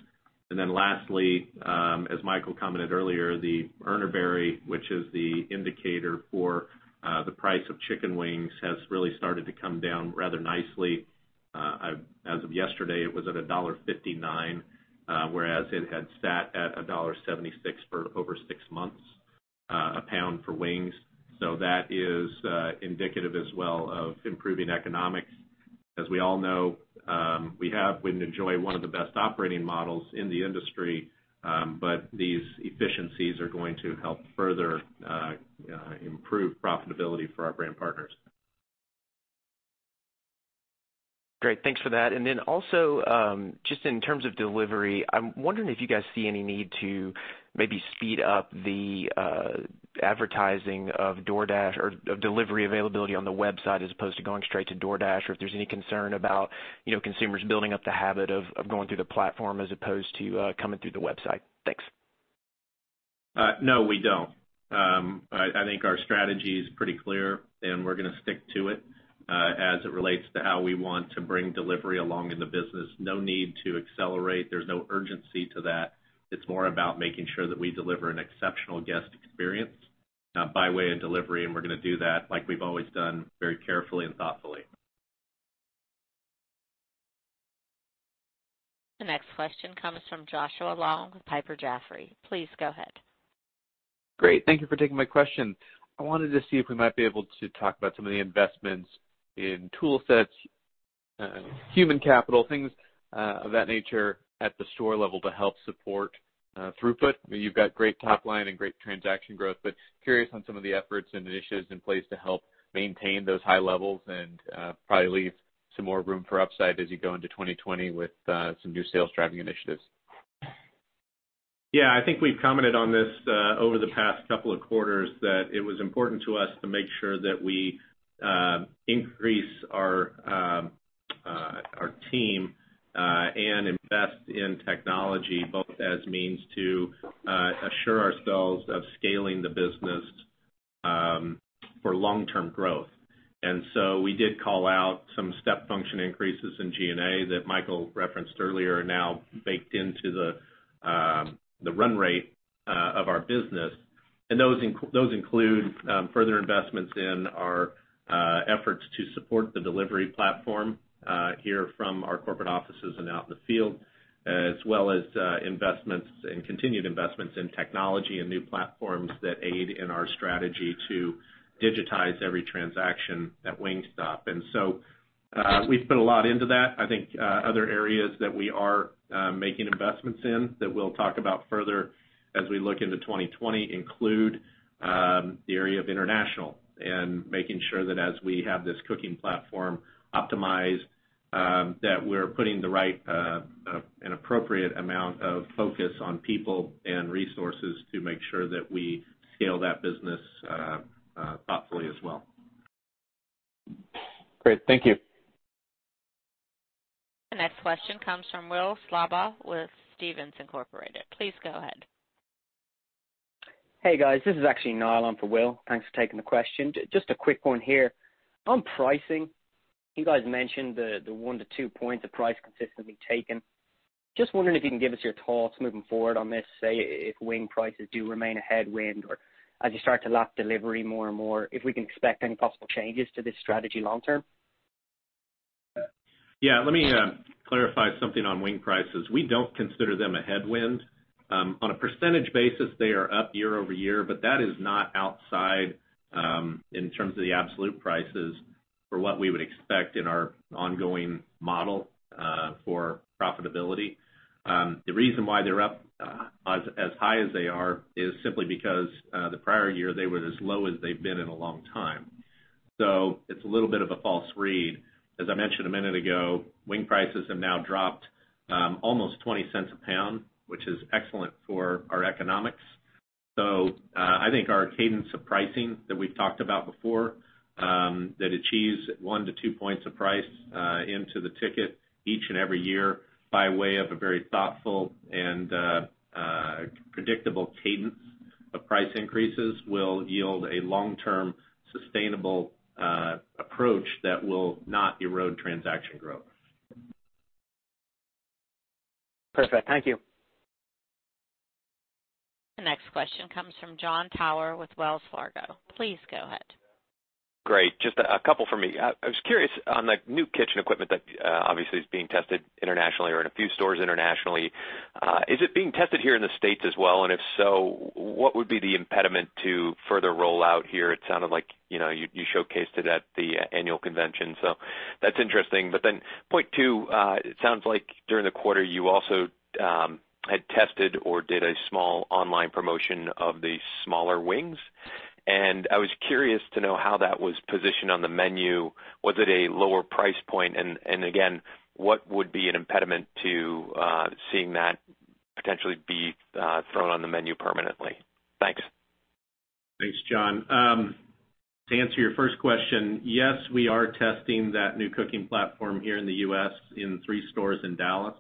Lastly, as Michael commented earlier, the Urner Barry, which is the indicator for the price of chicken wings, has really started to come down rather nicely. As of yesterday, it was at $1.59, whereas it had sat at $1.76 for over six months, a pound for wings. That is indicative as well of improving economics. As we all know, we have, and enjoy one of the best operating models in the industry. These efficiencies are going to help further improve profitability for our brand partners. Great. Thanks for that. Also, just in terms of delivery, I'm wondering if you guys see any need to maybe speed up the advertising of DoorDash or of delivery availability on the website as opposed to going straight to DoorDash, or if there's any concern about consumers building up the habit of going through the platform as opposed to coming through the website. Thanks. No, we don't. I think our strategy is pretty clear. We're going to stick to it, as it relates to how we want to bring delivery along in the business. No need to accelerate. There's no urgency to that. It's more about making sure that we deliver an exceptional guest experience by way of delivery. We're going to do that like we've always done, very carefully and thoughtfully. The next question comes from Joshua Long with Piper Jaffray. Please go ahead. Great. Thank you for taking my question. I wanted to see if we might be able to talk about some of the investments in tool sets, human capital, things of that nature at the store level to help support throughput. You've got great top line and great transaction growth. Curious on some of the efforts and initiatives in place to help maintain those high levels and probably leave some more room for upside as you go into 2020 with some new sales-driving initiatives. I think we've commented on this over the past couple of quarters, that it was important to us to make sure that we increase our team and invest in technology, both as means to assure ourselves of scaling the business for long-term growth. We did call out some step function increases in G&A that Michael referenced earlier, are now baked into the run rate of our business. Those include further investments in our efforts to support the delivery platform here from our corporate offices and out in the field, as well as investments and continued investments in technology and new platforms that aid in our strategy to digitize every transaction at Wingstop. We've put a lot into that. I think other areas that we are making investments in that we'll talk about further as we look into 2020 include the area of international and making sure that as we have this cooking platform optimized, that we're putting the right and appropriate amount of focus on people and resources to make sure that we scale that business thoughtfully as well. Great. Thank you. The next question comes from Will Slabaugh with Stephens Inc. Please go ahead. Hey, guys. This is actually Niall on for Will. Thanks for taking the question. Just a quick one here. On pricing, you guys mentioned the 1-2 points of price consistently taken. Just wondering if you can give us your thoughts moving forward on this, say, if wing prices do remain a headwind or as you start to lap delivery more and more, if we can expect any possible changes to this strategy long term? Yeah. Let me clarify something on wing prices. We don't consider them a headwind. On a percentage basis, they are up year-over-year. That is not outside, in terms of the absolute prices, for what we would expect in our ongoing model for profitability. The reason why they're up as high as they are is simply because the prior year, they were as low as they've been in a long time. It's a little bit of a false read. As I mentioned a minute ago, wing prices have now dropped almost $0.20 a pound, which is excellent for our economics. I think our cadence of pricing that we've talked about before, that achieves one to two points of price into the ticket each and every year by way of a very thoughtful and predictable cadence of price increases will yield a long-term, sustainable approach that will not erode transaction growth. Perfect. Thank you. The next question comes from Jon Tower with Wells Fargo. Please go ahead. Great. Just a couple from me. I was curious on the new kitchen equipment that obviously is being tested internationally or in a few stores internationally. Is it being tested here in the U.S. as well? If so, what would be the impediment to further rollout here? It sounded like you showcased it at the annual convention, so that's interesting. Point two, it sounds like during the quarter you also had tested or did a small online promotion of the smaller wings. I was curious to know how that was positioned on the menu. Was it a lower price point? Again, what would be an impediment to seeing that potentially be thrown on the menu permanently? Thanks. Thanks, John. To answer your first question, yes, we are testing that new cooking platform here in the U.S. in three stores in Dallas.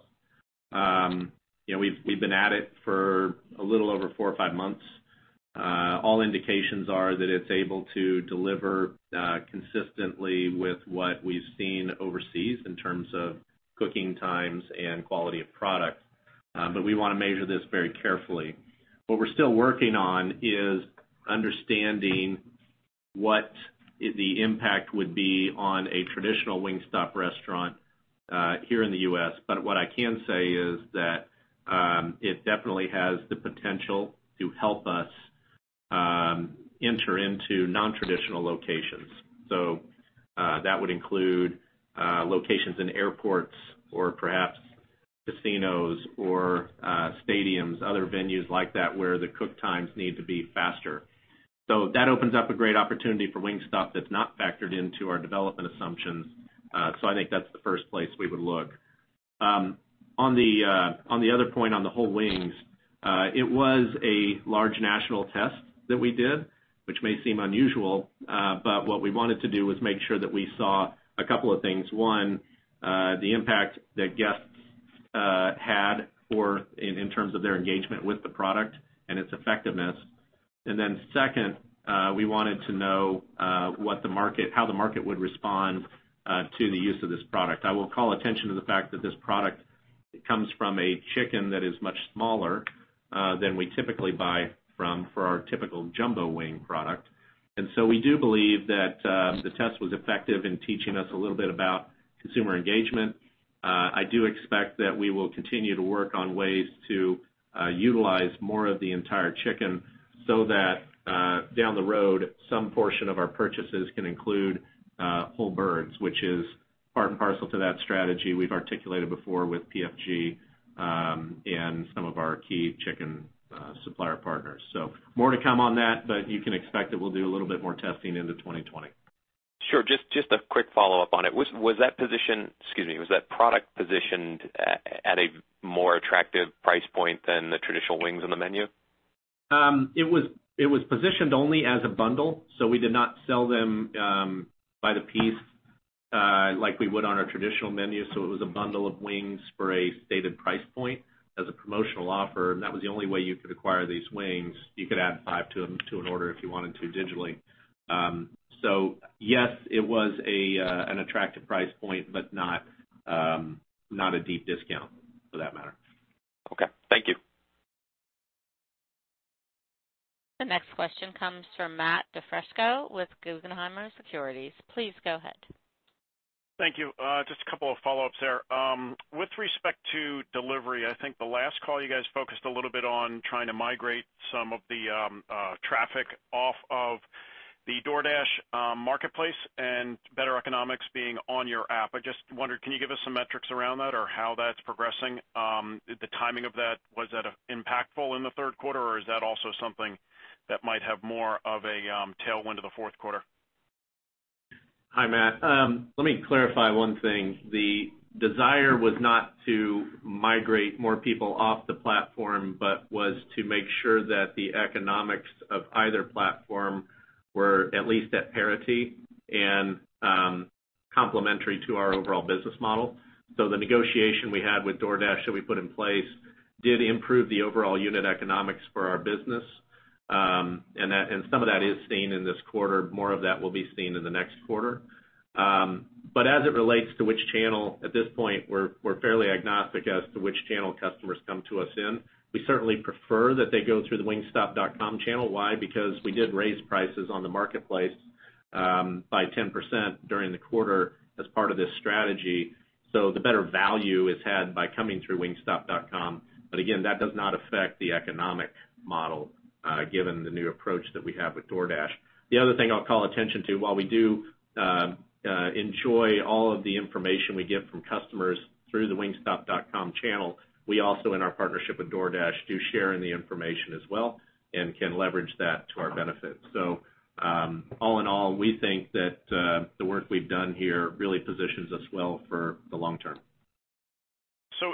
We've been at it for a little over four or five months. All indications are that it's able to deliver consistently with what we've seen overseas in terms of cooking times and quality of product. We want to measure this very carefully. What we're still working on is understanding what the impact would be on a traditional Wingstop restaurant here in the U.S. What I can say is that it definitely has the potential to help us enter into non-traditional locations. That would include locations in airports or perhaps casinos or stadiums, other venues like that where the cook times need to be faster. That opens up a great opportunity for Wingstop that's not factored into our development assumptions. I think that's the first place we would look. On the other point, on the whole wings, it was a large national test that we did, which may seem unusual. What we wanted to do was make sure that we saw a couple of things. One, the impact that guests had for, in terms of their engagement with the product and its effectiveness. Then second, we wanted to know how the market would respond to the use of this product. I will call attention to the fact that this product comes from a chicken that is much smaller, than we typically buy from for our typical jumbo wing product. We do believe that the test was effective in teaching us a little bit about consumer engagement. I do expect that we will continue to work on ways to utilize more of the entire chicken so that down the road, some portion of our purchases can include whole birds, which is part and parcel to that strategy we've articulated before with PFG, and some of our key chicken supplier partners. More to come on that, but you can expect that we'll do a little bit more testing into 2020. Sure. Just a quick follow-up on it. Was that product positioned at a more attractive price point than the traditional wings on the menu? It was positioned only as a bundle, so we did not sell them by the piece, like we would on our traditional menu. It was a bundle of wings for a stated price point as a promotional offer, and that was the only way you could acquire these wings. You could add five to an order if you wanted to digitally. Yes, it was an attractive price point, but not a deep discount for that matter. Okay. Thank you. The next question comes from Matthew DiFrisco with Guggenheim Securities. Please go ahead. Thank you. Just a couple of follow-ups there. With respect to delivery, I think the last call you guys focused a little bit on trying to migrate some of the traffic off of the DoorDash marketplace and better economics being on your app. I just wondered, can you give us some metrics around that or how that's progressing? The timing of that, was that impactful in the third quarter, or is that also something that might have more of a tailwind to the fourth quarter? Hi, Matt. Let me clarify one thing. The desire was not to migrate more people off the platform, but was to make sure that the economics of either platform were at least at parity and complementary to our overall business model. The negotiation we had with DoorDash that we put in place did improve the overall unit economics for our business. Some of that is seen in this quarter. More of that will be seen in the next quarter. As it relates to which channel, at this point, we're fairly agnostic as to which channel customers come to us in. We certainly prefer that they go through the wingstop.com channel. Why? Because we did raise prices on the marketplace by 10% during the quarter as part of this strategy. The better value is had by coming through wingstop.com. Again, that does not affect the economic model, given the new approach that we have with DoorDash. The other thing I'll call attention to, while we do enjoy all of the information we get from customers through the wingstop.com channel, we also, in our partnership with DoorDash, do share in the information as well and can leverage that to our benefit. All in all, we think that the work we've done here really positions us well for the long term.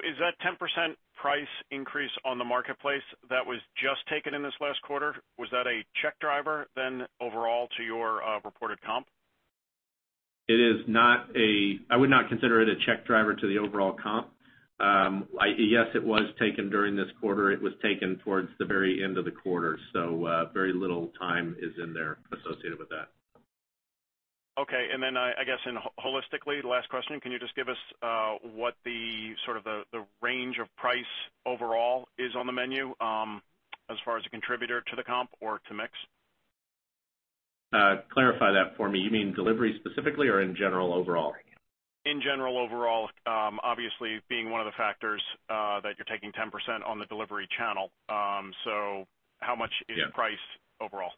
Is that 10% price increase on the marketplace that was just taken in this last quarter, was that a check driver then overall to your reported comp? I would not consider it a check driver to the overall comp. Yes, it was taken during this quarter. It was taken towards the very end of the quarter, so very little time is in there associated with that. Okay. Then I guess holistically, last question, can you just give us what the range of price overall is on the menu, as far as a contributor to the comp or to mix? Clarify that for me. You mean delivery specifically or in general overall? In general overall, obviously being one of the factors, that you're taking 10% on the delivery channel. How much is priced overall?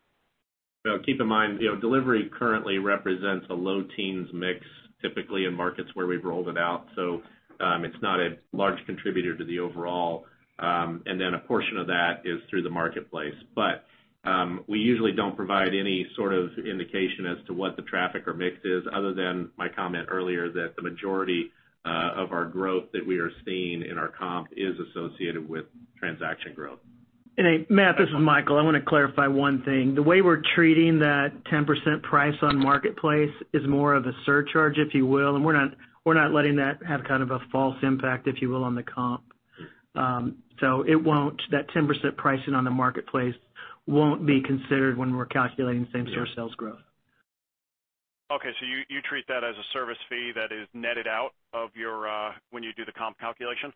Well, keep in mind, delivery currently represents a low teens mix typically in markets where we've rolled it out. It's not a large contributor to the overall. A portion of that is through the marketplace. We usually don't provide any sort of indication as to what the traffic or mix is other than my comment earlier that the majority of our growth that we are seeing in our comp is associated with transaction growth. Hey, Matt, this is Michael. I want to clarify one thing. The way we're treating that 10% price on marketplace is more of a surcharge, if you will. We're not letting that have kind of a false impact, if you will, on the comp. That 10% pricing on the marketplace won't be considered when we're calculating same-store sales growth. Okay, you treat that as a service fee that is netted out when you do the comp calculation? Yes, correct.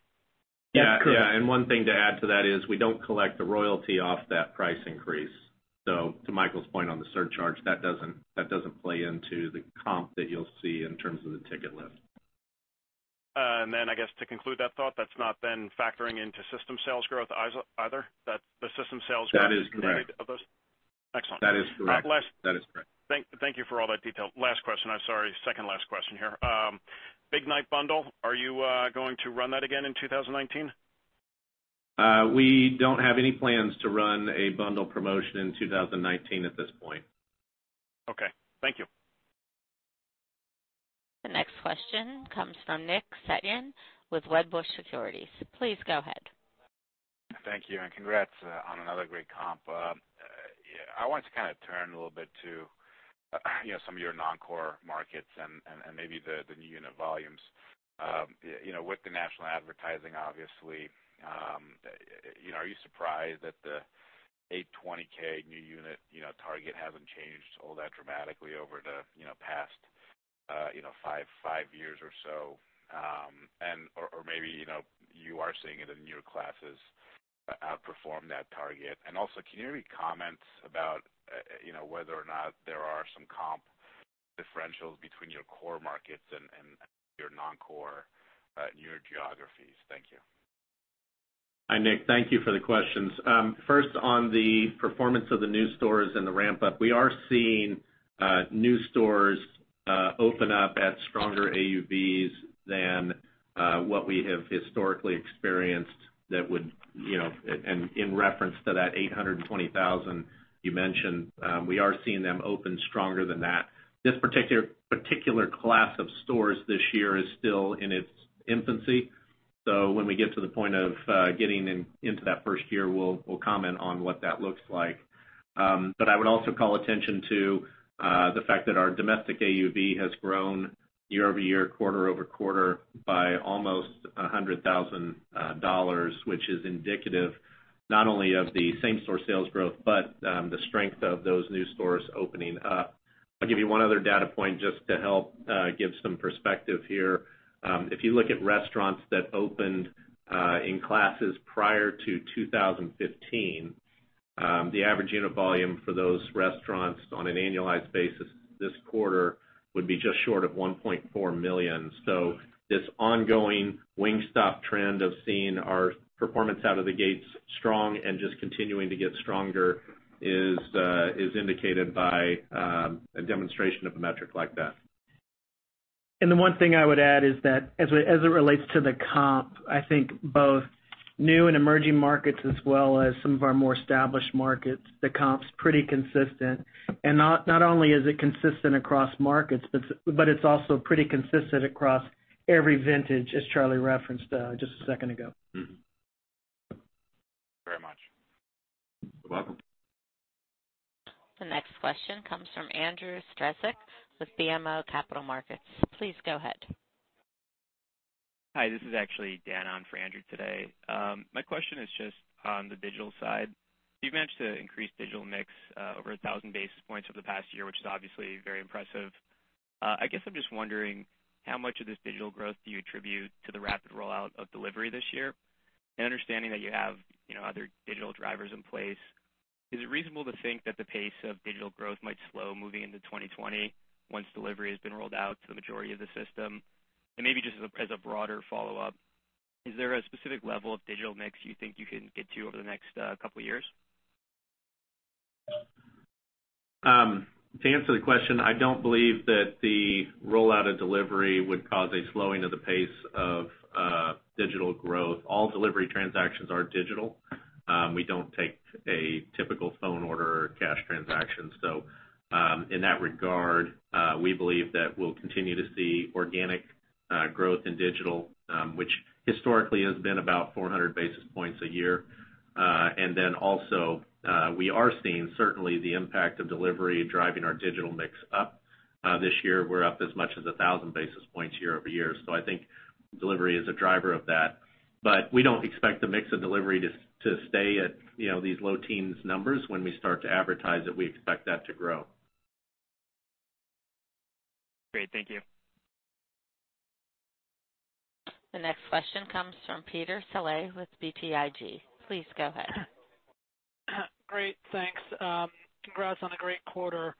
Yeah. One thing to add to that is we don't collect the royalty off that price increase. To Michael's point on the surcharge, that doesn't play into the comp that you'll see in terms of the ticket list. I guess to conclude that thought, that's not then factoring into system sales growth either? The system sales growth is- That is correct. Excellent. That is correct. Thank you for all that detail. Last question. I'm sorry, second last question here. Big Night bundle, are you going to run that again in 2019? We don't have any plans to run a bundle promotion in 2019 at this point. Okay. Thank you. The next question comes from Nick Setyan with Wedbush Securities. Please go ahead. Thank you, and congrats on another great comp. I wanted to kind of turn a little bit to some of your non-core markets and maybe the new unit volumes. With the national advertising, obviously, are you surprised that the 820K new unit target hasn't changed all that dramatically over the past five years or so? Or maybe you are seeing it in newer classes outperform that target. Also, can you comment about whether or not there are some comp differentials between your core markets and your non-core newer geographies? Thank you. Hi, Nick. Thank you for the questions. First, on the performance of the new stores and the ramp up, we are seeing new stores open up at stronger AUVs than what we have historically experienced in reference to that $820,000 you mentioned. We are seeing them open stronger than that. This particular class of stores this year is still in its infancy. When we get to the point of getting into that first year, we'll comment on what that looks like. I would also call attention to the fact that our domestic AUV has grown year-over-year, quarter-over-quarter by almost $100,000, which is indicative not only of the same store sales growth, but the strength of those new stores opening up. I'll give you one other data point just to help give some perspective here. If you look at restaurants that opened in classes prior to 2015, the average unit volume for those restaurants on an annualized basis this quarter would be just short of $1.4 million. This ongoing Wingstop trend of seeing our performance out of the gates strong and just continuing to get stronger is indicated by a demonstration of a metric like that. The one thing I would add is that as it relates to the comp, I think both new and emerging markets as well as some of our more established markets, the comp's pretty consistent. Not only is it consistent across markets, but it's also pretty consistent across every vintage, as Charlie referenced just a second ago. Thank you very much. You're welcome. The next question comes from Andrew Strelzik with BMO Capital Markets. Please go ahead. Hi, this is actually Dan on for Andrew today. My question is just on the digital side. You've managed to increase digital mix over 1,000 basis points over the past year, which is obviously very impressive. I guess I'm just wondering how much of this digital growth do you attribute to the rapid rollout of delivery this year? Understanding that you have other digital drivers in place, is it reasonable to think that the pace of digital growth might slow moving into 2020 once delivery has been rolled out to the majority of the system? Maybe just as a broader follow-up, is there a specific level of digital mix you think you can get to over the next couple of years? To answer the question, I don't believe that the rollout of delivery would cause a slowing of the pace of digital growth. All delivery transactions are digital. We don't take a typical phone order or cash transaction. In that regard, we believe that we'll continue to see organic growth in digital, which historically has been about 400 basis points a year. We are seeing certainly the impact of delivery driving our digital mix up. This year, we're up as much as 1,000 basis points year-over-year. I think delivery is a driver of that. We don't expect the mix of delivery to stay at these low teens numbers. When we start to advertise it, we expect that to grow. Great. Thank you. The next question comes from Peter Saleh with BTIG. Please go ahead. Great. Thanks. Congrats on a great quarter.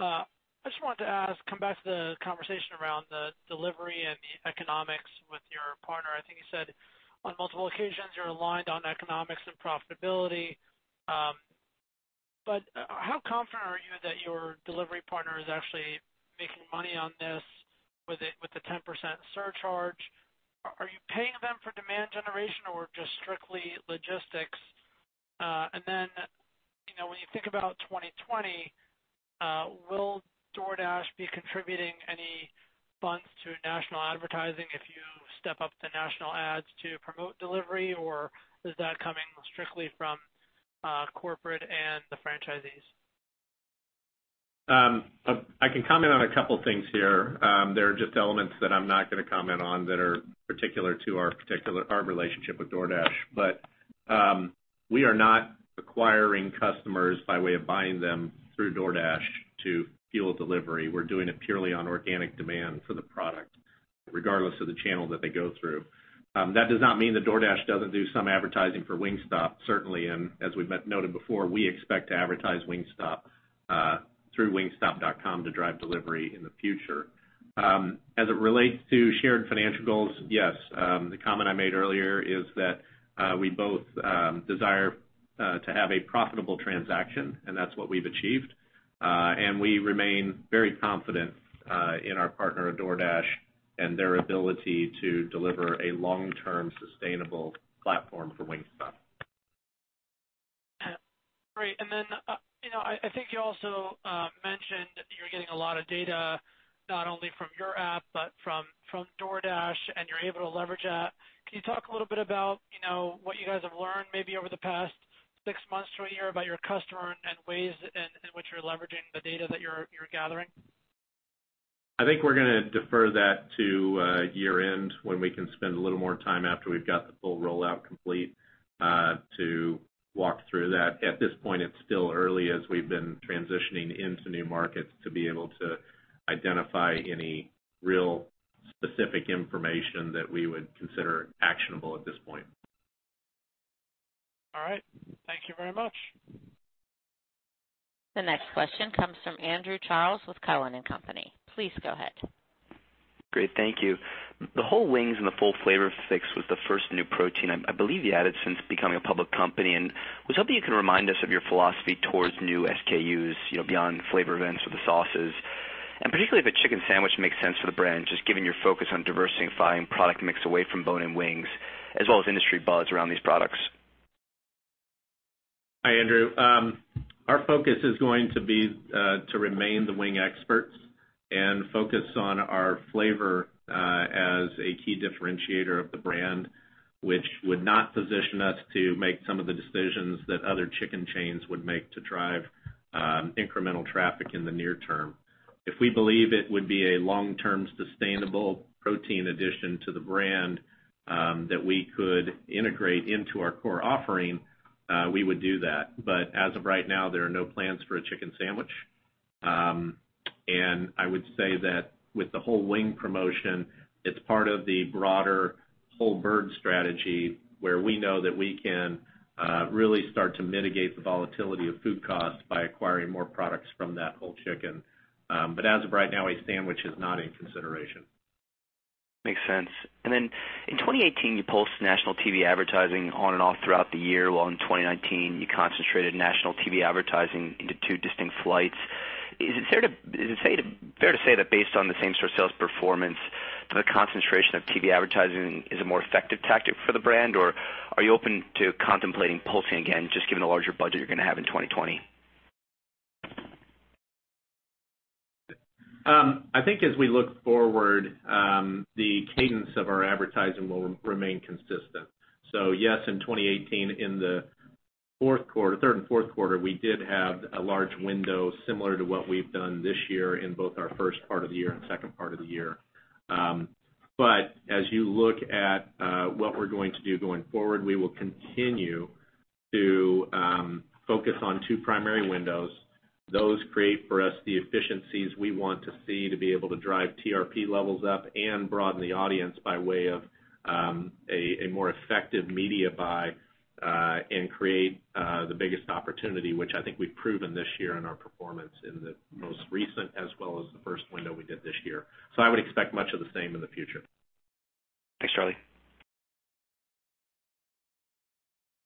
I just wanted to ask, come back to the conversation around the delivery and the economics with your partner. I think you said on multiple occasions you're aligned on economics and profitability. How confident are you that your delivery partner is actually making money on this with the 10% surcharge? Are you paying them for demand generation or just strictly logistics? When you think about 2020, will DoorDash be contributing any funds to national advertising if you step up the national ads to promote delivery, or is that coming strictly from corporate and the franchisees? I can comment on a couple things here. There are just elements that I'm not going to comment on that are particular to our relationship with DoorDash. We are not acquiring customers by way of buying them through DoorDash to fuel delivery. We're doing it purely on organic demand for the product, regardless of the channel that they go through. That does not mean that DoorDash doesn't do some advertising for Wingstop, certainly, and as we've noted before, we expect to advertise Wingstop through wingstop.com to drive delivery in the future. As it relates to shared financial goals, yes. The comment I made earlier is that we both desire to have a profitable transaction, and that's what we've achieved. We remain very confident in our partner at DoorDash and their ability to deliver a long-term sustainable platform for Wingstop. Great. I think you also mentioned you're getting a lot of data, not only from your app, but from DoorDash, and you're able to leverage that. Can you talk a little bit about what you guys have learned, maybe over the past six months to a year, about your customer and ways in which you're leveraging the data that you're gathering? I think we're going to defer that to year-end when we can spend a little more time after we've got the full rollout complete to walk through that. At this point, it's still early as we've been transitioning into new markets to be able to identify any real specific information that we would consider actionable at this point. All right. Thank you very much. The next question comes from Andrew Charles with Cowen and Company. Please go ahead. Great. Thank you. The whole wings and the Full Flavor Fix was the first new protein I believe you added since becoming a public company, I was hoping you can remind us of your philosophy towards new SKUs, beyond flavor events with the sauces, and particularly if a chicken sandwich makes sense for the brand, just given your focus on diversifying product mix away from bone and wings, as well as industry buzz around these products. Hi, Andrew. Our focus is going to be to remain the wing experts and focus on our flavor as a key differentiator of the brand, which would not position us to make some of the decisions that other chicken chains would make to drive incremental traffic in the near term. If we believe it would be a long-term sustainable protein addition to the brand that we could integrate into our core offering, we would do that. As of right now, there are no plans for a chicken sandwich. I would say that with the whole wing promotion, it's part of the broader whole bird strategy where we know that we can really start to mitigate the volatility of food costs by acquiring more products from that whole chicken. As of right now, a sandwich is not in consideration. Makes sense. In 2018, you pulsed national TV advertising on and off throughout the year, while in 2019 you concentrated national TV advertising into two distinct flights. Is it fair to say that based on the same-store sales performance, the concentration of TV advertising is a more effective tactic for the brand, or are you open to contemplating pulsing again, just given the larger budget you're going to have in 2020? I think as we look forward, the cadence of our advertising will remain consistent. Yes, in 2018, in the third and fourth quarter, we did have a large window similar to what we've done this year in both our first part of the year and second part of the year. As you look at what we're going to do going forward, we will continue to focus on two primary windows. Those create for us the efficiencies we want to see to be able to drive TRP levels up and broaden the audience by way of a more effective media buy, and create the biggest opportunity, which I think we've proven this year in our performance in the most recent as well as the first window we did this year. I would expect much of the same in the future. Thanks, Charlie.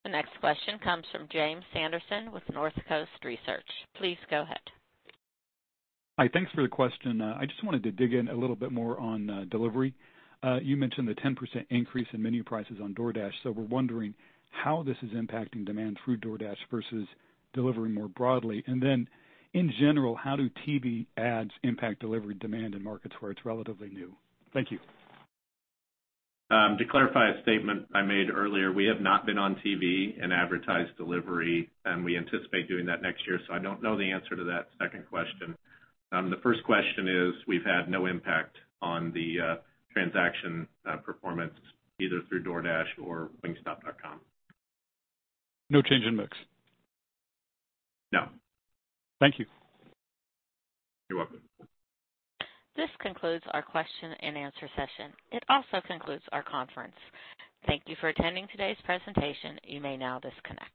The next question comes from James Sanderson with Northcoast Research. Please go ahead. Hi. Thanks for the question. I just wanted to dig in a little bit more on delivery. You mentioned the 10% increase in menu prices on DoorDash. We're wondering how this is impacting demand through DoorDash versus delivery more broadly. In general, how do TV ads impact delivery demand in markets where it's relatively new? Thank you. To clarify a statement I made earlier, we have not been on TV and advertised delivery, and we anticipate doing that next year. I don't know the answer to that second question. The first question is we've had no impact on the transaction performance, either through DoorDash or wingstop.com. No change in mix? No. Thank you. You're welcome. This concludes our question and answer session. It also concludes our conference. Thank you for attending today's presentation. You may now disconnect.